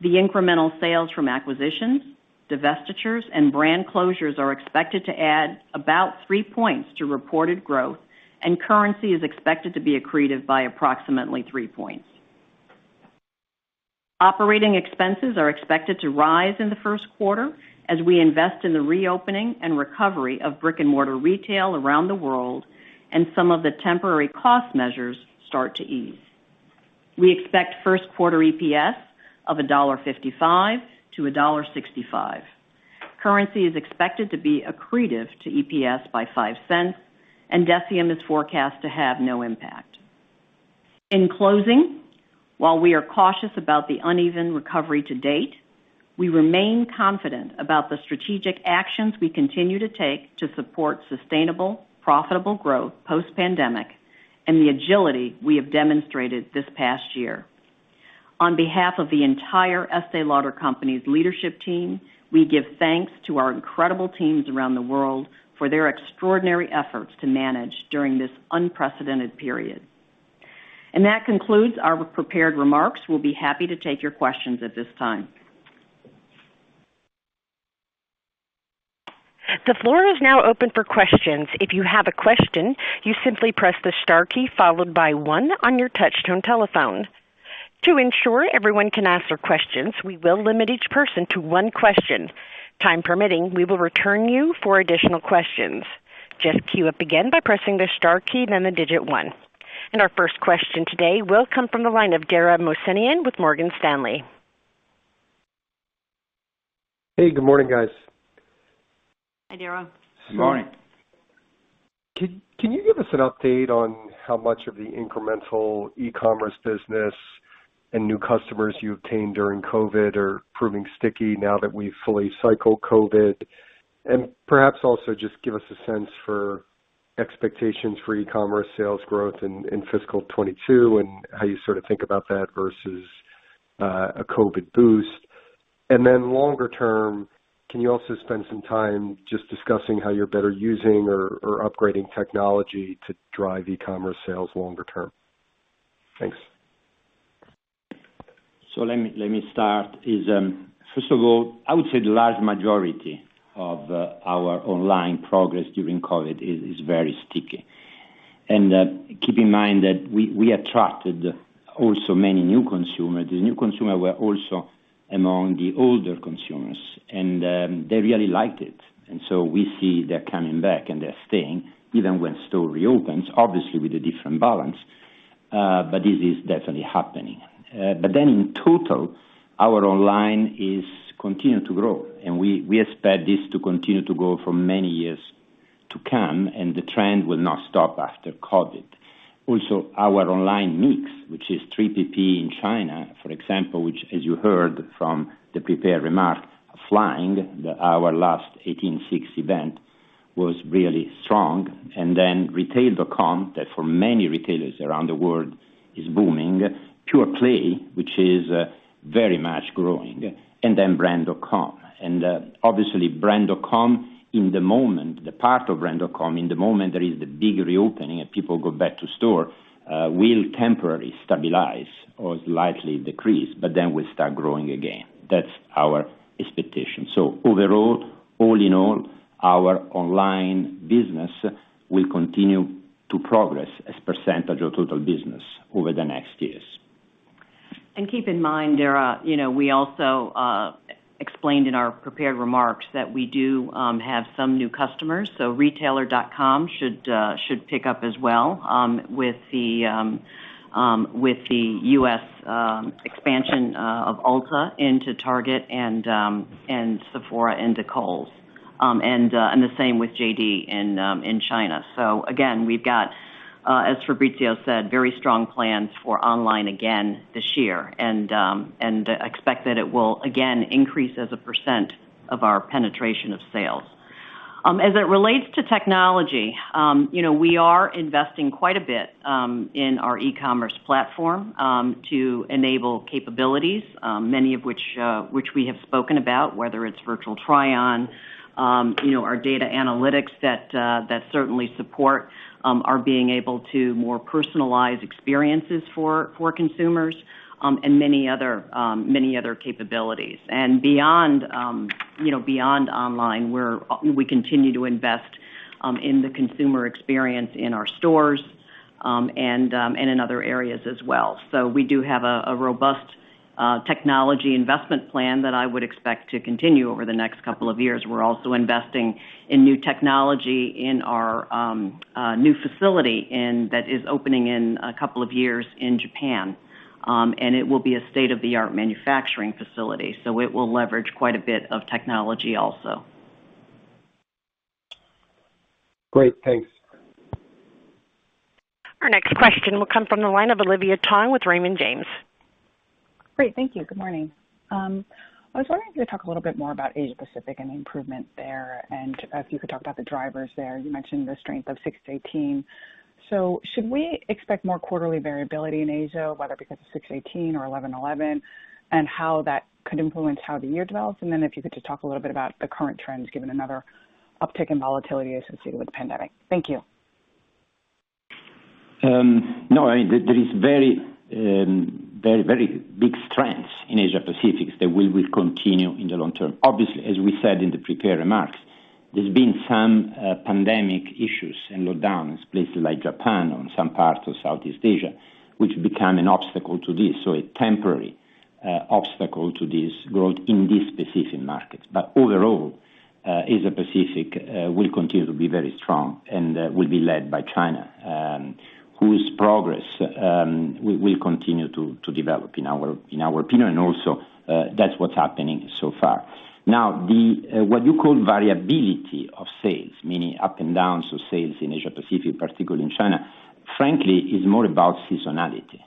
The incremental sales from acquisitions, divestitures, and brand closures are expected to add about 3 points to reported growth, and currency is expected to be accretive by approximately 3 points. Operating expenses are expected to rise in the first quarter as we invest in the reopening and recovery of brick-and-mortar retail around the world, and some of the temporary cost measures start to ease. We expect first quarter EPS of $1.55-$1.65. Currency is expected to be accretive to EPS by $0.05, and Deciem is forecast to have no impact. In closing, while we are cautious about the uneven recovery to date, we remain confident about the strategic actions we continue to take to support sustainable, profitable growth post-pandemic, and the agility we have demonstrated this past year. On behalf of the entire Estée Lauder Companies leadership team, we give thanks to our incredible teams around the world for their extraordinary efforts to manage during this unprecedented period. That concludes our prepared remarks. We'll be happy to take your questions at this time. The floor is now open for questions. If you have a question, you simply press the star key followed by one on your touchtone telephone. To ensure everyone can ask their questions, we will limit each person to one question. Time permitting, we will return to you for additional questions. Just queue up again by pressing the star key, then the digit one. Our first question today will come from the line of Dara Mohsenian with Morgan Stanley. Hey, good morning, guys. Hi, Dara. Good morning. Can you give us an update on how much of the incremental e-commerce business and new customers you obtained during COVID are proving sticky now that we've fully cycled COVID? Perhaps also just give us a sense for expectations for e-commerce sales growth in fiscal 2022, and how you sort of think about that versus a COVID boost. Longer term, can you also spend some time just discussing how you're better using or upgrading technology to drive e-commerce sales longer term? Thanks. Let me start. First of all, I would say the large majority of our online progress during COVID is very sticky. Keep in mind that we attracted also many new consumers. The new consumer were also among the older consumers, and they really liked it. We see they're coming back, and they're staying, even when store reopens, obviously with a different balance. This is definitely happening. In total, our online is continuing to grow, and we expect this to continue to grow for many years to come, and the trend will not stop after COVID. Our online mix, which is 3 PP in China, for example, which as you heard from the prepared remark, flying, our last 18-6 event was really strong. Retail.com, that for many retailers around the world is booming. Pureplay, which is very much growing, then brand.com. Obviously, brand.com in the moment, the part of brand.com in the moment, there is the big reopening, and people go back to store, will temporarily stabilize or slightly decrease, but then will start growing again. That's our expectation. Overall, all in all, our online business will continue to progress as % of total business over the next years. Keep in mind, Dara, we also explained in our prepared remarks that we do have some new customers, so retailer.com should pick up as well, with the U.S. expansion of Ulta Beauty into Target and Sephora into Kohl's. The same with JD.com in China. Again, we've got, as Fabrizio Freda said, very strong plans for online again this year, and expect that it will again increase as a percent of our penetration of sales. As it relates to technology, we are investing quite a bit in our e-commerce platform to enable capabilities, many of which we have spoken about, whether it's virtual try-on, our data analytics that certainly support our being able to more personalize experiences for consumers, and many other capabilities. Beyond online, we continue to invest in the consumer experience in our stores, and in other areas as well. We do have a robust technology investment plan that I would expect to continue over the next two years. We're also investing in new technology in our new facility that is opening in two years in Japan, and it will be a state-of-the-art manufacturing facility. It will leverage quite a bit of technology also. Great. Thanks. Our next question will come from the line of Olivia Tong with Raymond James. Great. Thank you. Good morning. I was wondering if you could talk a little bit more about Asia Pacific and the improvement there, and if you could talk about the drivers there. You mentioned the strength of 6-18. Should we expect more quarterly variability in Asia, whether because of 6-18 or 11-11, and how that could influence how the year develops? If you could just talk a little bit about the current trends, given another uptick in volatility associated with the pandemic. Thank you. There is very big strengths in Asia Pacific that will continue in the long term. Obviously, as we said in the prepared remarks, there's been some pandemic issues and lockdowns, places like Japan or some parts of Southeast Asia, which become an obstacle to this. A temporary obstacle to this growth in these specific markets. Overall, Asia Pacific will continue to be very strong and will be led by China, whose progress will continue to develop, in our opinion, and also that's what's happening so far. What you call variability of sales, meaning up and downs of sales in Asia Pacific, particularly in China, frankly, is more about seasonality.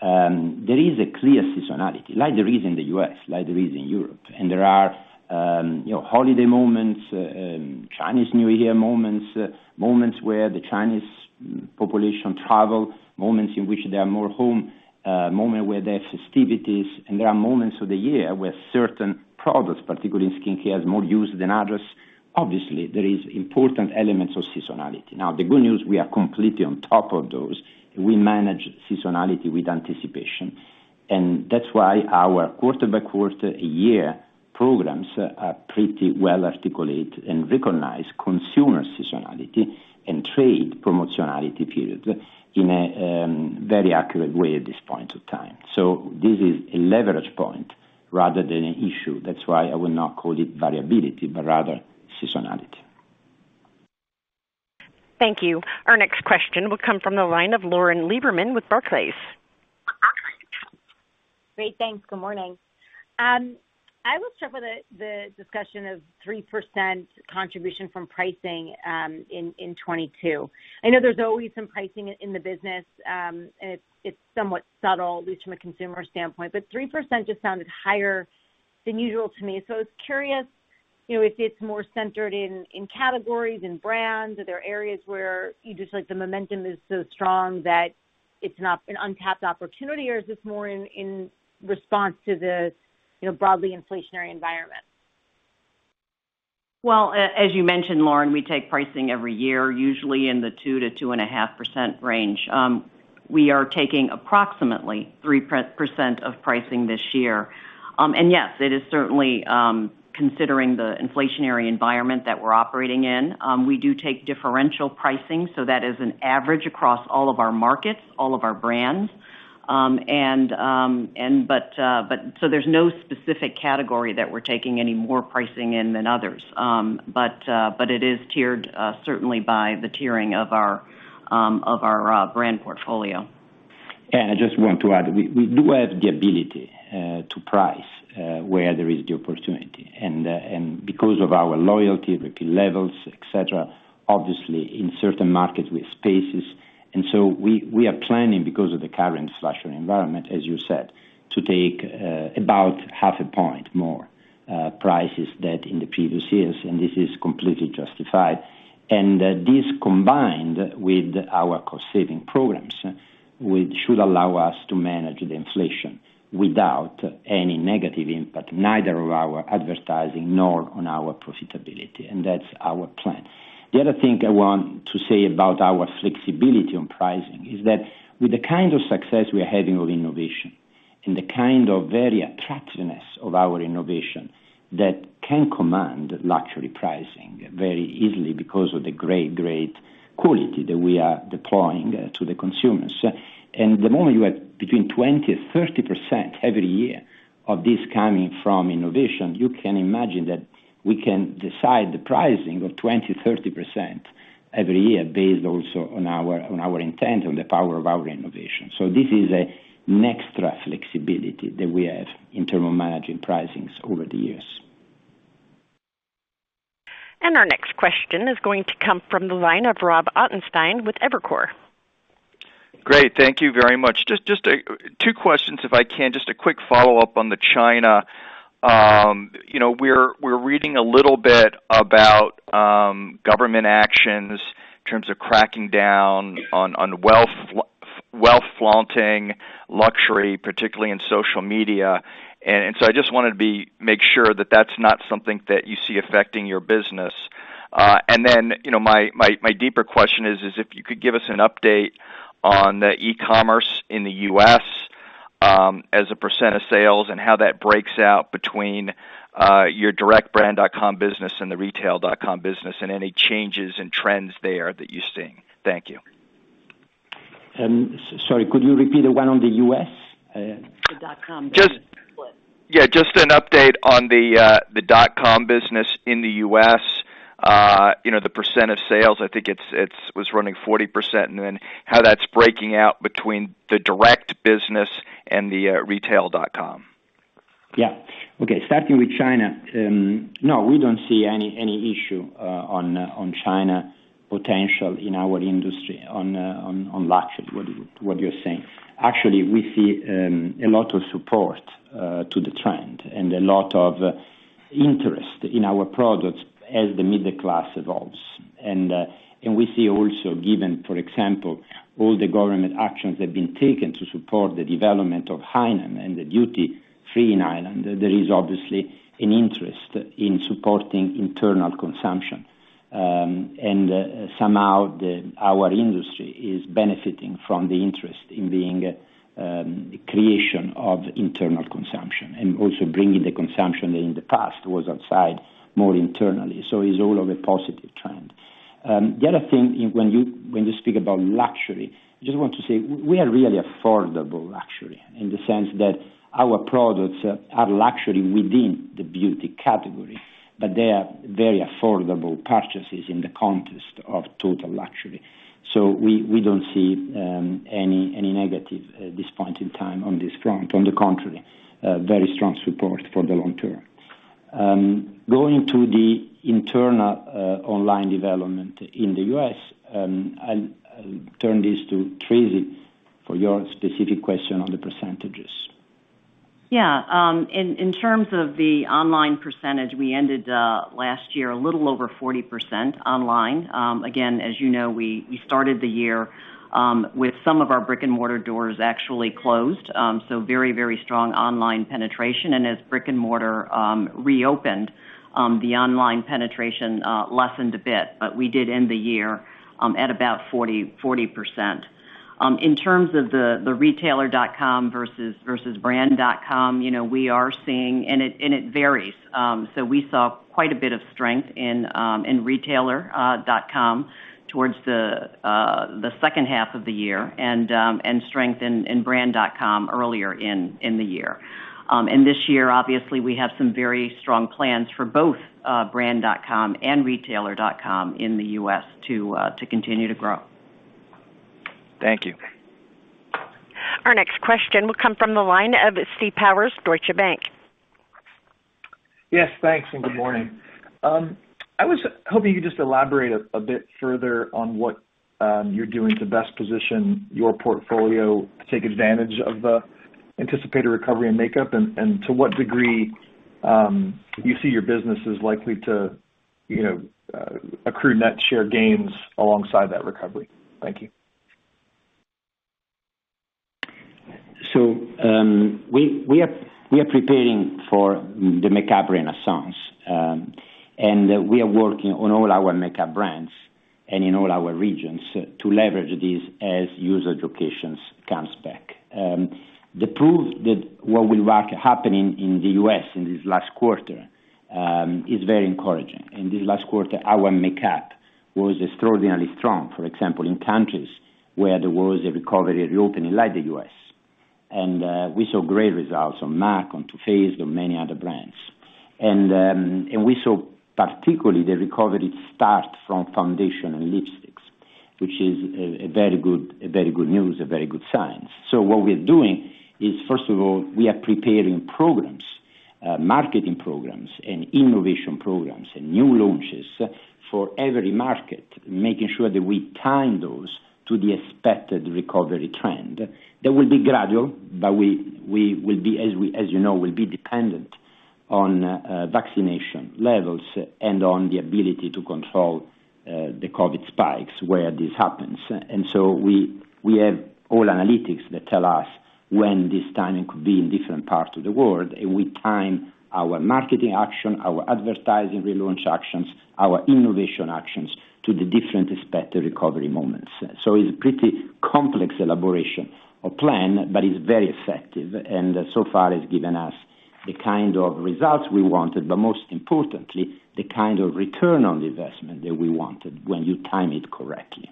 There is a clear seasonality, like there is in the U.S., like there is in Europe. There are holiday moments, Chinese New Year moments where the Chinese population travel, moments in which they are more home, moment where there are festivities, and there are moments of the year where certain products, particularly in skincare, is more used than others. Obviously, there is important elements of seasonality. Now, the good news, we are completely on top of those. We manage seasonality with anticipation, and that's why our quarter-by-quarter year programs are pretty well articulated and recognize consumer seasonality and trade promotionality periods in a very accurate way at this point of time. This is a leverage point rather than an issue. That's why I will not call it variability, but rather seasonality. Thank you. Our next question will come from the line of Lauren Lieberman with Barclays. Great. Thanks. Good morning. I will start with the discussion of 3% contribution from pricing in 2022. I know there's always some pricing in the business, and it's somewhat subtle, at least from a consumer standpoint, but 3% just sounded higher than usual to me. I was curious if it's more centered in categories, in brands? Are there areas where you just like the momentum is so strong that it's not an untapped opportunity, or is this more in response to the broadly inflationary environment? Well, as you mentioned, Lauren, we take pricing every year, usually in the 2%-2.5% range. We are taking approximately 3% of pricing this year. Yes, it is certainly considering the inflationary environment that we're operating in. We do take differential pricing, that is an average across all of our markets, all of our brands. There's no specific category that we're taking any more pricing in than others. It is tiered, certainly by the tiering of our brand portfolio. I just want to add, we do have the ability to price where there is the opportunity. Because of our loyalty repeat levels, et cetera, obviously in certain markets with spaces. We are planning, because of the current inflationary environment, as you said, to take about half a point more prices than in the previous years, and this is completely justified. This combined with our cost-saving programs, which should allow us to manage the inflation without any negative impact, neither of our advertising nor on our profitability, and that's our plan. The other thing I want to say about our flexibility on pricing is that with the kind of success we are having with innovation and the kind of very attractiveness of our innovation that can command luxury pricing very easily because of the great quality that we are deploying to the consumers. The moment you have between 20% and 30% every year of this coming from innovation, you can imagine that we can decide the pricing of 20%, 30% every year based also on our intent, on the power of our innovation. This is an extra flexibility that we have in terms of managing pricings over the years. Our next question is going to come from the line of Robert Ottenstein with Evercore. Great. Thank you very much. Just two questions, if I can. Just a quick follow-up on the China. We're reading a little bit about government actions in terms of cracking down on wealth flaunting luxury, particularly in social media. I just wanted to make sure that that's not something that you see affecting your business. My deeper question is if you could give us an update on the e-commerce in the U.S. as a percent of sales and how that breaks out between your direct brand.com business and the retail.com business, and any changes in trends there that you're seeing. Thank you. Sorry, could you repeat the one on the U.S.? The .com business split. Yeah, just an update on the .com business in the U.S., the percent of sales, I think it was running 40%, and then how that's breaking out between the direct business and the retail.com. Yeah. Okay, starting with China. We don't see any issue on China potential in our industry on luxury, what you're saying. We see a lot of support to the trend and a lot of interest in our products as the middle class evolves. We see also given, for example, all the government actions that have been taken to support the development of Hainan and the duty-free in Hainan, there is obviously an interest in supporting internal consumption. Somehow our industry is benefiting from the interest in being the creation of internal consumption, and also bringing the consumption that in the past was outside more internally. It's all of a positive trend. The other thing, when you speak about luxury, I just want to say we are really affordable luxury in the sense that our products are luxury within the beauty category, but they are very affordable purchases in the context of total luxury. We don't see any negative at this point in time on this front. On the contrary, very strong support for the long term. Going to the internal online development in the U.S., I'll turn this to Tracey for your specific question on the percentages. Yeah. In terms of the online percentage, we ended last year a little over 40% online. Again, as you know, we started the year with some of our brick-and-mortar doors actually closed. Very, very strong online penetration. As brick-and-mortar reopened, the online penetration lessened a bit. We did end the year at about 40%. In terms of the retailer.com versus brand.com, we are seeing, and it varies. We saw quite a bit of strength in retailer.com towards the second half of the year and strength in brand.com earlier in the year. This year, obviously, we have some very strong plans for both brand.com and retailer.com in the U.S. to continue to grow. Thank you. Our next question will come from the line of Steve Powers, Deutsche Bank. Yes, thanks, good morning. I was hoping you could just elaborate a bit further on what you're doing to best position your portfolio to take advantage of the anticipated recovery in makeup, and to what degree you see your business is likely to accrue net share gains alongside that recovery. Thank you. We are preparing for the makeup renaissance, and we are working on all our makeup brands and in all our regions to leverage this as usage occasions comes back. The proof that what will happen in the U.S. in this last quarter is very encouraging. In this last quarter, our makeup was extraordinarily strong, for example, in countries where there was a recovery reopening, like the U.S. We saw great results on MAC, on Too Faced, on many other brands. We saw particularly the recovery start from foundation and lipsticks, which is very good news, a very good sign. What we're doing is, first of all, we are preparing programs, marketing programs, and innovation programs, and new launches for every market, making sure that we time those to the expected recovery trend. That will be gradual, but we will be, as you know, dependent on vaccination levels and on the ability to control the COVID spikes where this happens. We have all analytics that tell us when this timing could be in different parts of the world, and we time our marketing action, our advertising relaunch actions, our innovation actions to the different expected recovery moments. It's pretty complex elaboration or plan, but it's very effective, and so far has given us the kind of results we wanted, but most importantly, the kind of return on investment that we wanted when you time it correctly.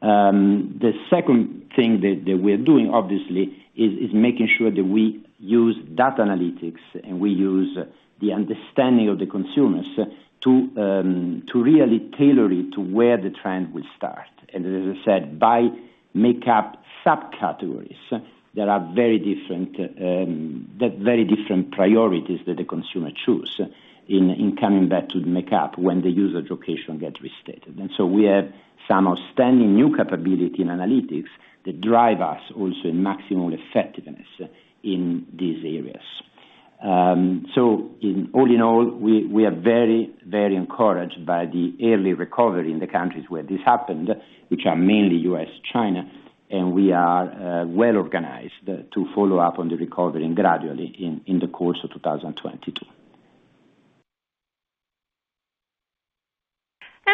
The second thing that we're doing, obviously, is making sure that we use data analytics, and we use the understanding of the consumers to really tailor it to where the trend will start. As I said, by makeup subcategories, there are very different priorities that the consumer choose in coming back to the makeup when the user location gets restated. We have some outstanding new capability in analytics that drive us also in maximal effectiveness in these areas. All in all, we are very, very encouraged by the early recovery in the countries where this happened, which are mainly U.S., China, and we are well-organized to follow up on the recovery gradually in the course of 2022.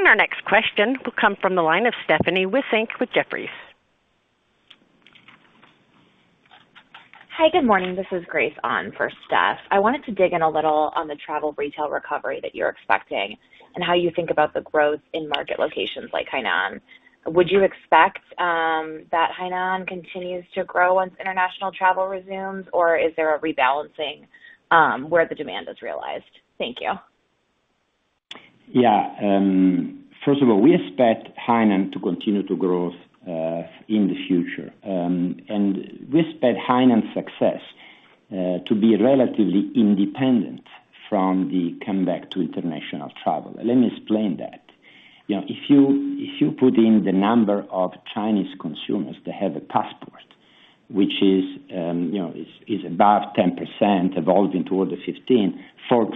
Our next question will come from the line of Stephanie Wissink with Jefferies. Hi, good morning. This is Grace on for Steph. I wanted to dig in a little on the travel retail recovery that you're expecting and how you think about the growth in market locations like Hainan. Would you expect that Hainan continues to grow once international travel resumes, or is there a rebalancing where the demand is realized? Thank you. Yeah. First of all, we expect Hainan to continue to grow in the future. We expect Hainan's success to be relatively independent from the comeback to international travel. Let me explain that. If you put in the number of Chinese consumers that have a passport, which is above 10%, evolving toward the 15%,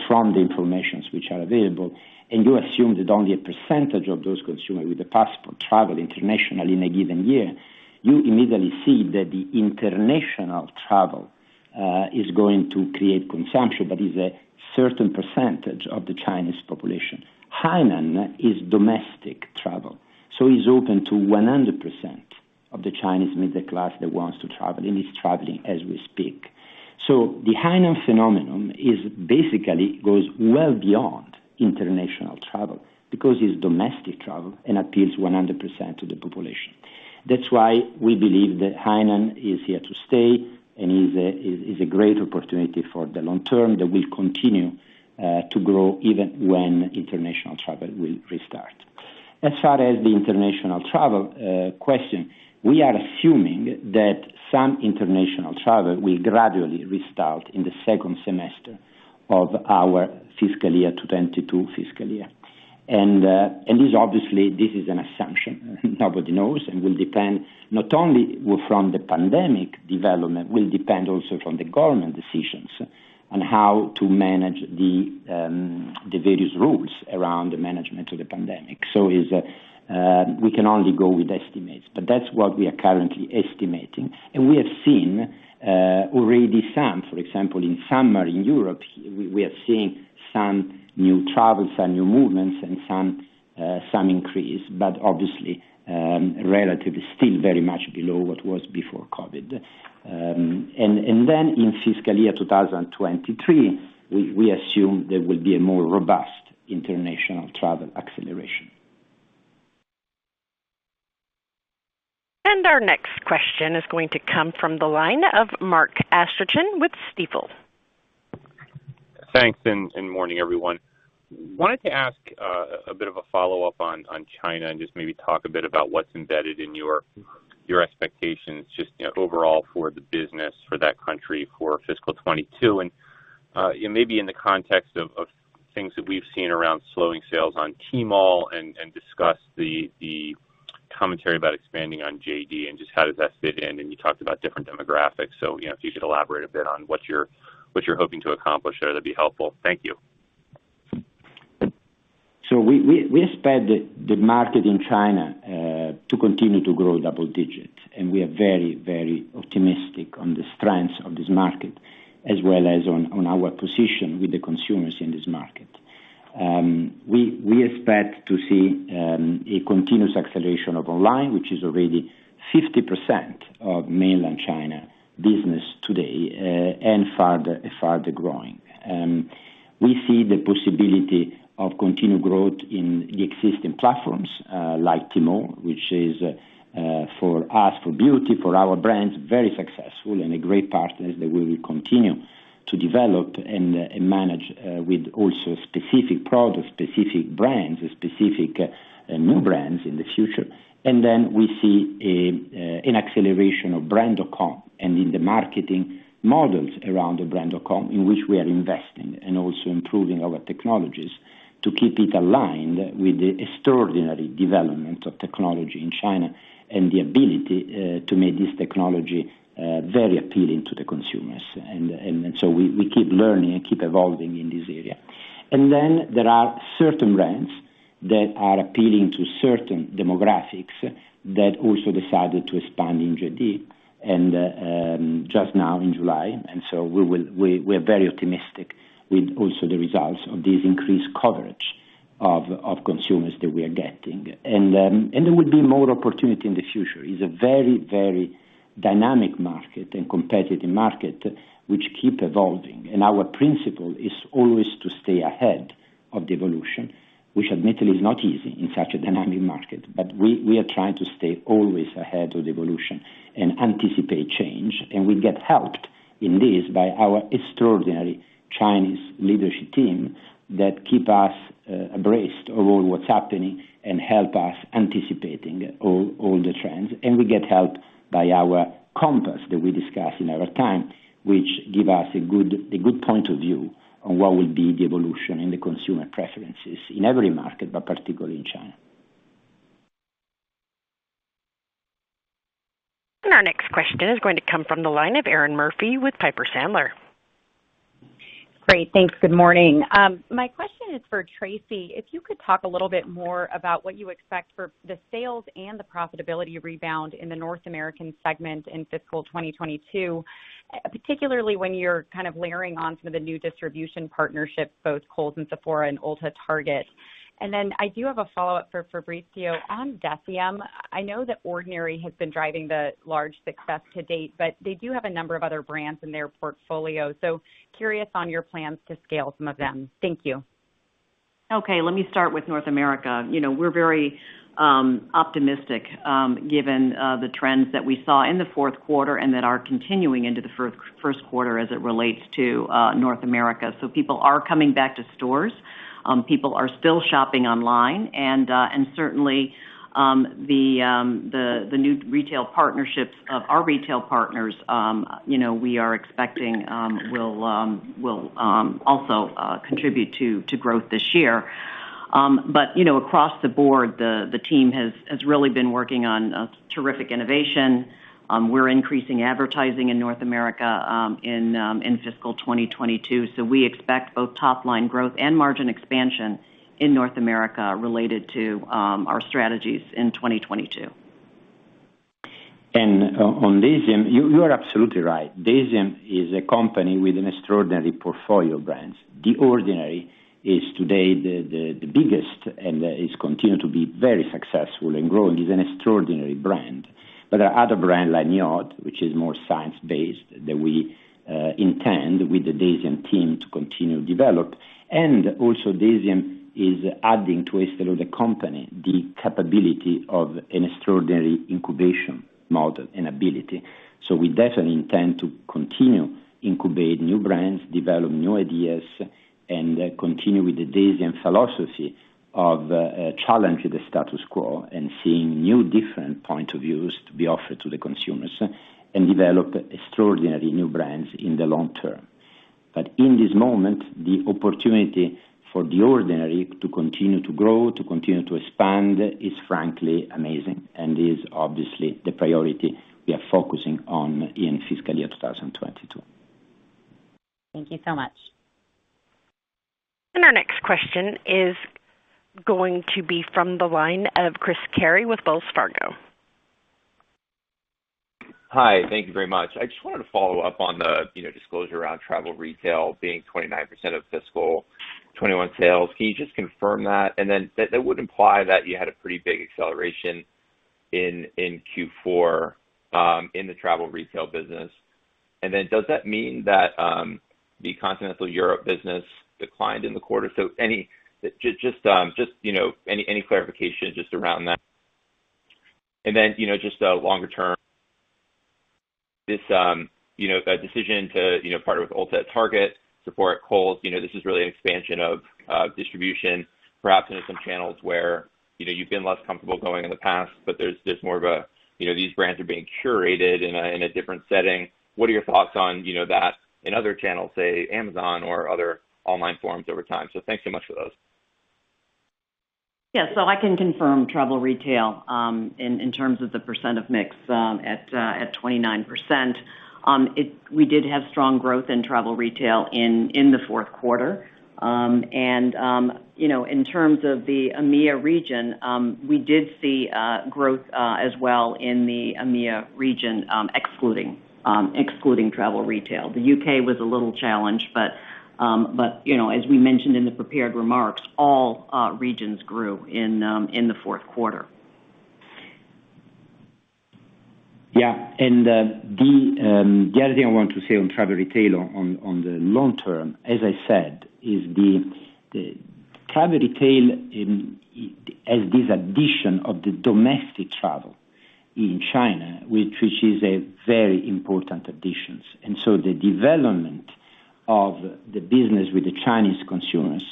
from the information which are available, and you assume that only a percentage of those consumers with a passport travel internationally in a given year, you immediately see that the international travel is going to create consumption that is a certain percentage of the Chinese population. Hainan is domestic travel, so is open to 100% of the Chinese middle class that wants to travel and is traveling as we speak. The Hainan phenomenon basically goes well beyond international travel because it's domestic travel and appeals 100% to the population. That's why we believe that Hainan is here to stay and is a great opportunity for the long term that will continue to grow even when international travel will restart. As far as the international travel question, we are assuming that some international travel will gradually restart in the second semester of our fiscal year 2022. This obviously, this is an assumption nobody knows, and will depend not only from the pandemic development, will depend also from the government decisions on how to manage the various rules around the management of the pandemic. We can only go with estimates, but that's what we are currently estimating. We have seen already some, for example, in summer in Europe, we are seeing some new travels and new movements and some increase, but obviously, relatively still very much below what was before COVID. In fiscal year 2023, we assume there will be a more robust international travel acceleration. Our next question is going to come from the line of Mark Astrachan with Stifel. Thanks, and morning, everyone. Wanted to ask a bit of a follow-up on China and just maybe talk a bit about what's embedded in your expectations, just overall for the business for that country for fiscal 2022, and maybe in the context of things that we've seen around slowing sales on Tmall and discuss the commentary about expanding on JD.com and just how does that fit in. You talked about different demographics, so if you could elaborate a bit on what you're hoping to accomplish there, that'd be helpful. Thank you. We expect the market in China to continue to grow double digits, and we are very optimistic on the strength of this market as well as on our position with the consumers in this market. We expect to see a continuous acceleration of online, which is already 50% of mainland China business today, and farther growing. We see the possibility of continued growth in the existing platforms, like Tmall, which is, for us, for beauty, for our brands, very successful and a great partner that we will continue to develop and manage with also specific products, specific brands, specific new brands in the future. We see an acceleration of brand.com and in the marketing models around the brand.com in which we are investing and also improving our technologies to keep it aligned with the extraordinary development of technology in China and the ability to make this technology very appealing to the consumers. We keep learning and keep evolving in this area. There are certain brands that are appealing to certain demographics that also decided to expand in JD.com and just now in July, and so we're very optimistic with also the results of this increased coverage of consumers that we are getting. There will be more opportunity in the future. Is a very dynamic market and competitive market which keep evolving. Our principle is always to stay ahead of the evolution, which admittedly is not easy in such a dynamic market. We are trying to stay always ahead of the evolution and anticipate change. We get helped in this by our extraordinary Chinese leadership team that keep us abreast of all what's happening and help us anticipating all the trends. We get helped by our compass that we discuss in our time, which give us a good point of view on what will be the evolution in the consumer preferences in every market, but particularly in China. Our next question is going to come from the line of Erinn Murphy with Piper Sandler. Great. Thanks. Good morning. My question is for Tracey. If you could talk a little bit more about what you expect for the sales and the profitability rebound in the North American segment in fiscal 2022, particularly when you're kind of layering on some of the new distribution partnerships, both Kohl's and Sephora and Ulta Target. I do have a follow-up for Fabrizio. On DECIEM, I know that Ordinary has been driving the large success to date, but they do have a number of other brands in their portfolio, so curious on your plans to scale some of them. Thank you. Okay, let me start with North America. We're very optimistic given the trends that we saw in the fourth quarter and that are continuing into the first quarter as it relates to North America. People are coming back to stores. People are still shopping online and certainly, the new retail partnerships of our retail partners, we are expecting will also contribute to growth this year. Across the board, the team has really been working on terrific innovation. We're increasing advertising in North America in fiscal 2022. We expect both top-line growth and margin expansion in North America related to our strategies in 2022. On DECIEM, you are absolutely right. DECIEM is a company with an extraordinary portfolio of brands. The Ordinary is today the biggest, and it's continued to be very successful and growing. It's an extraordinary brand. There are other brands like NIOD, which is more science-based, that we intend with the DECIEM team to continue to develop. Also DECIEM is adding to rest of the company, the capability of an extraordinary incubation model and ability. We definitely intend to continue incubating new brands, develop new ideas, and continue with the DECIEM philosophy of challenging the status quo and seeing new different points of views to be offered to the consumers, and develop extraordinary new brands in the long term. In this moment, the opportunity for The Ordinary to continue to grow, to continue to expand is frankly amazing and is obviously the priority we are focusing on in fiscal year 2022. Thank you so much. Our next question is going to be from the line of Chris Carey with Wells Fargo. Hi. Thank you very much. I just wanted to follow up on the disclosure around travel retail being 29% of fiscal 2021 sales. Can you just confirm that? That would imply that you had a pretty big acceleration in Q4, in the travel retail business. Does that mean that the Continental Europe business declined in the quarter? Any clarification just around that. Just longer term, the decision to partner with Ulta Beauty at Target, Sephora at Kohl's, this is really an expansion of distribution perhaps into some channels where you've been less comfortable going in the past, but there's more of these brands are being curated in a different setting. What are your thoughts on that in other channels, say Amazon or other online forums over time? Thanks so much for those. Yeah. I can confirm travel retail, in terms of the percent of mix, at 29%. We did have strong growth in travel retail in the fourth quarter. In terms of the EMEA region, we did see growth as well in the EMEA region, excluding travel retail. The U.K. was a little challenged, but as we mentioned in the prepared remarks, all regions grew in the fourth quarter. Yeah. The other thing I want to say on travel retail on the long term, as I said, is travel retail has this addition of the domestic travel in China, which is a very important addition. The development of the business with the Chinese consumers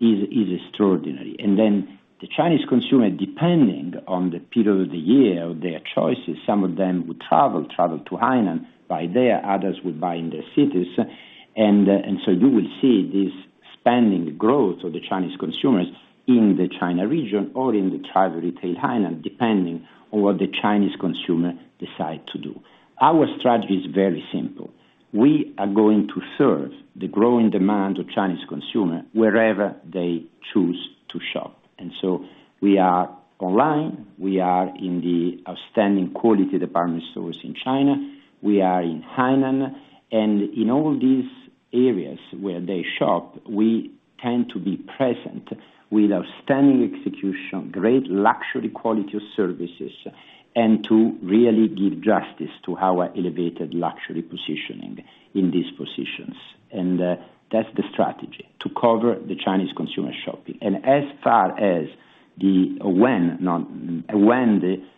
is extraordinary. The Chinese consumer, depending on the period of the year or their choices, some of them would travel to Hainan, buy there, others would buy in their cities. You will see this spending growth of the Chinese consumers in the China region or in the travel retail, Hainan, depending on what the Chinese consumer decide to do. Our strategy is very simple. We are going to serve the growing demand of Chinese consumer wherever they choose to shop. We are online, we are in the outstanding quality department stores in China, we are in Hainan, and in all these areas where they shop, we tend to be present with outstanding execution, great luxury quality of services, and to really give justice to our elevated luxury positioning in these positions. That's the strategy, to cover the Chinese consumer shopping. As far as when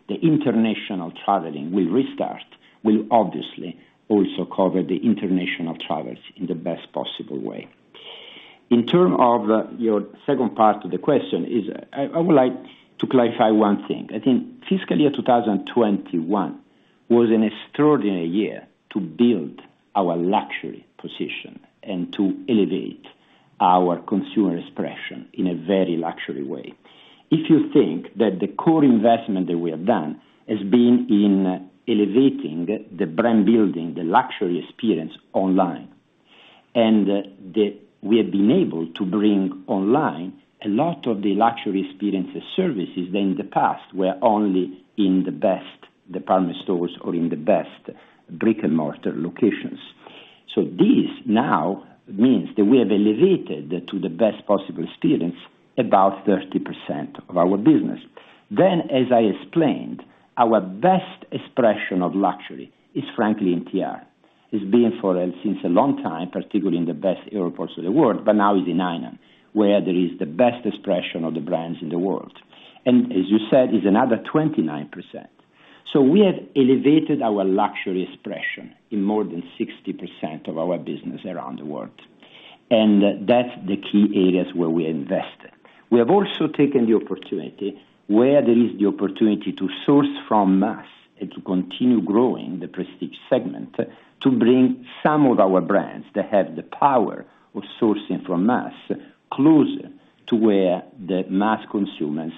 the international traveling will restart, we'll obviously also cover the international travels in the best possible way. In terms of your second part to the question, I would like to clarify one thing. I think fiscal year 2021 was an extraordinary year to build our luxury position and to elevate our consumer expression in a very luxury way. If you think that the core investment that we have done has been in elevating the brand building, the luxury experience online, and that we have been able to bring online a lot of the luxury experiences services that in the past were only in the best department stores or in the best brick-and-mortar locations. This now means that we have elevated to the best possible experience about 30% of our business. As I explained, our best expression of luxury is frankly in TR. It's been for since a long time, particularly in the best airports of the world, but now is in Hainan, where there is the best expression of the brands in the world. As you said, is another 29%. We have elevated our luxury expression in more than 60% of our business around the world, and that's the key areas where we invested. We have also taken the opportunity where there is the opportunity to source from mass and to continue growing the prestige segment to bring some of our brands that have the power of sourcing from mass closer to where the mass consumers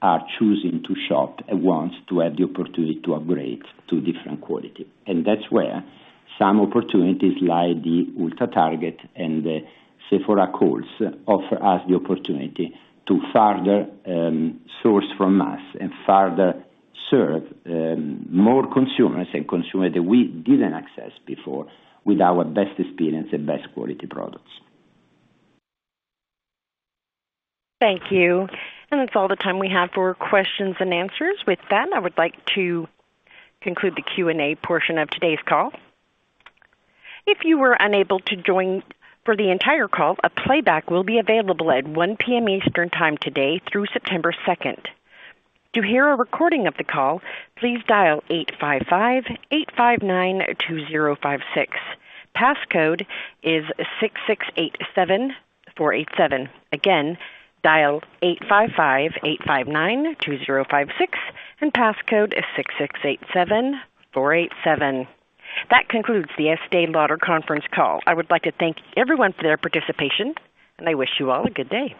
are choosing to shop and want to have the opportunity to upgrade to different quality. That's where some opportunities like the Ulta at Target and the Sephora at Kohl's offer us the opportunity to further source from mass and further serve more consumers and consumers that we didn't access before with our best experience and best quality products. Thank you. That's all the time we have for questions and answers. With that, I would like to conclude the Q&A portion of today's call. If you were unable to join for the entire call, a playback will be available at 1:00 P.M. Eastern time today through September 2nd. To hear a recording of the call, please dial 855-859-2056. Passcode is 6687487. Again, dial 855-859-2056 and passcode is 6687487. That concludes The Estée Lauder conference call. I would like to thank everyone for their participation, and I wish you all a good day.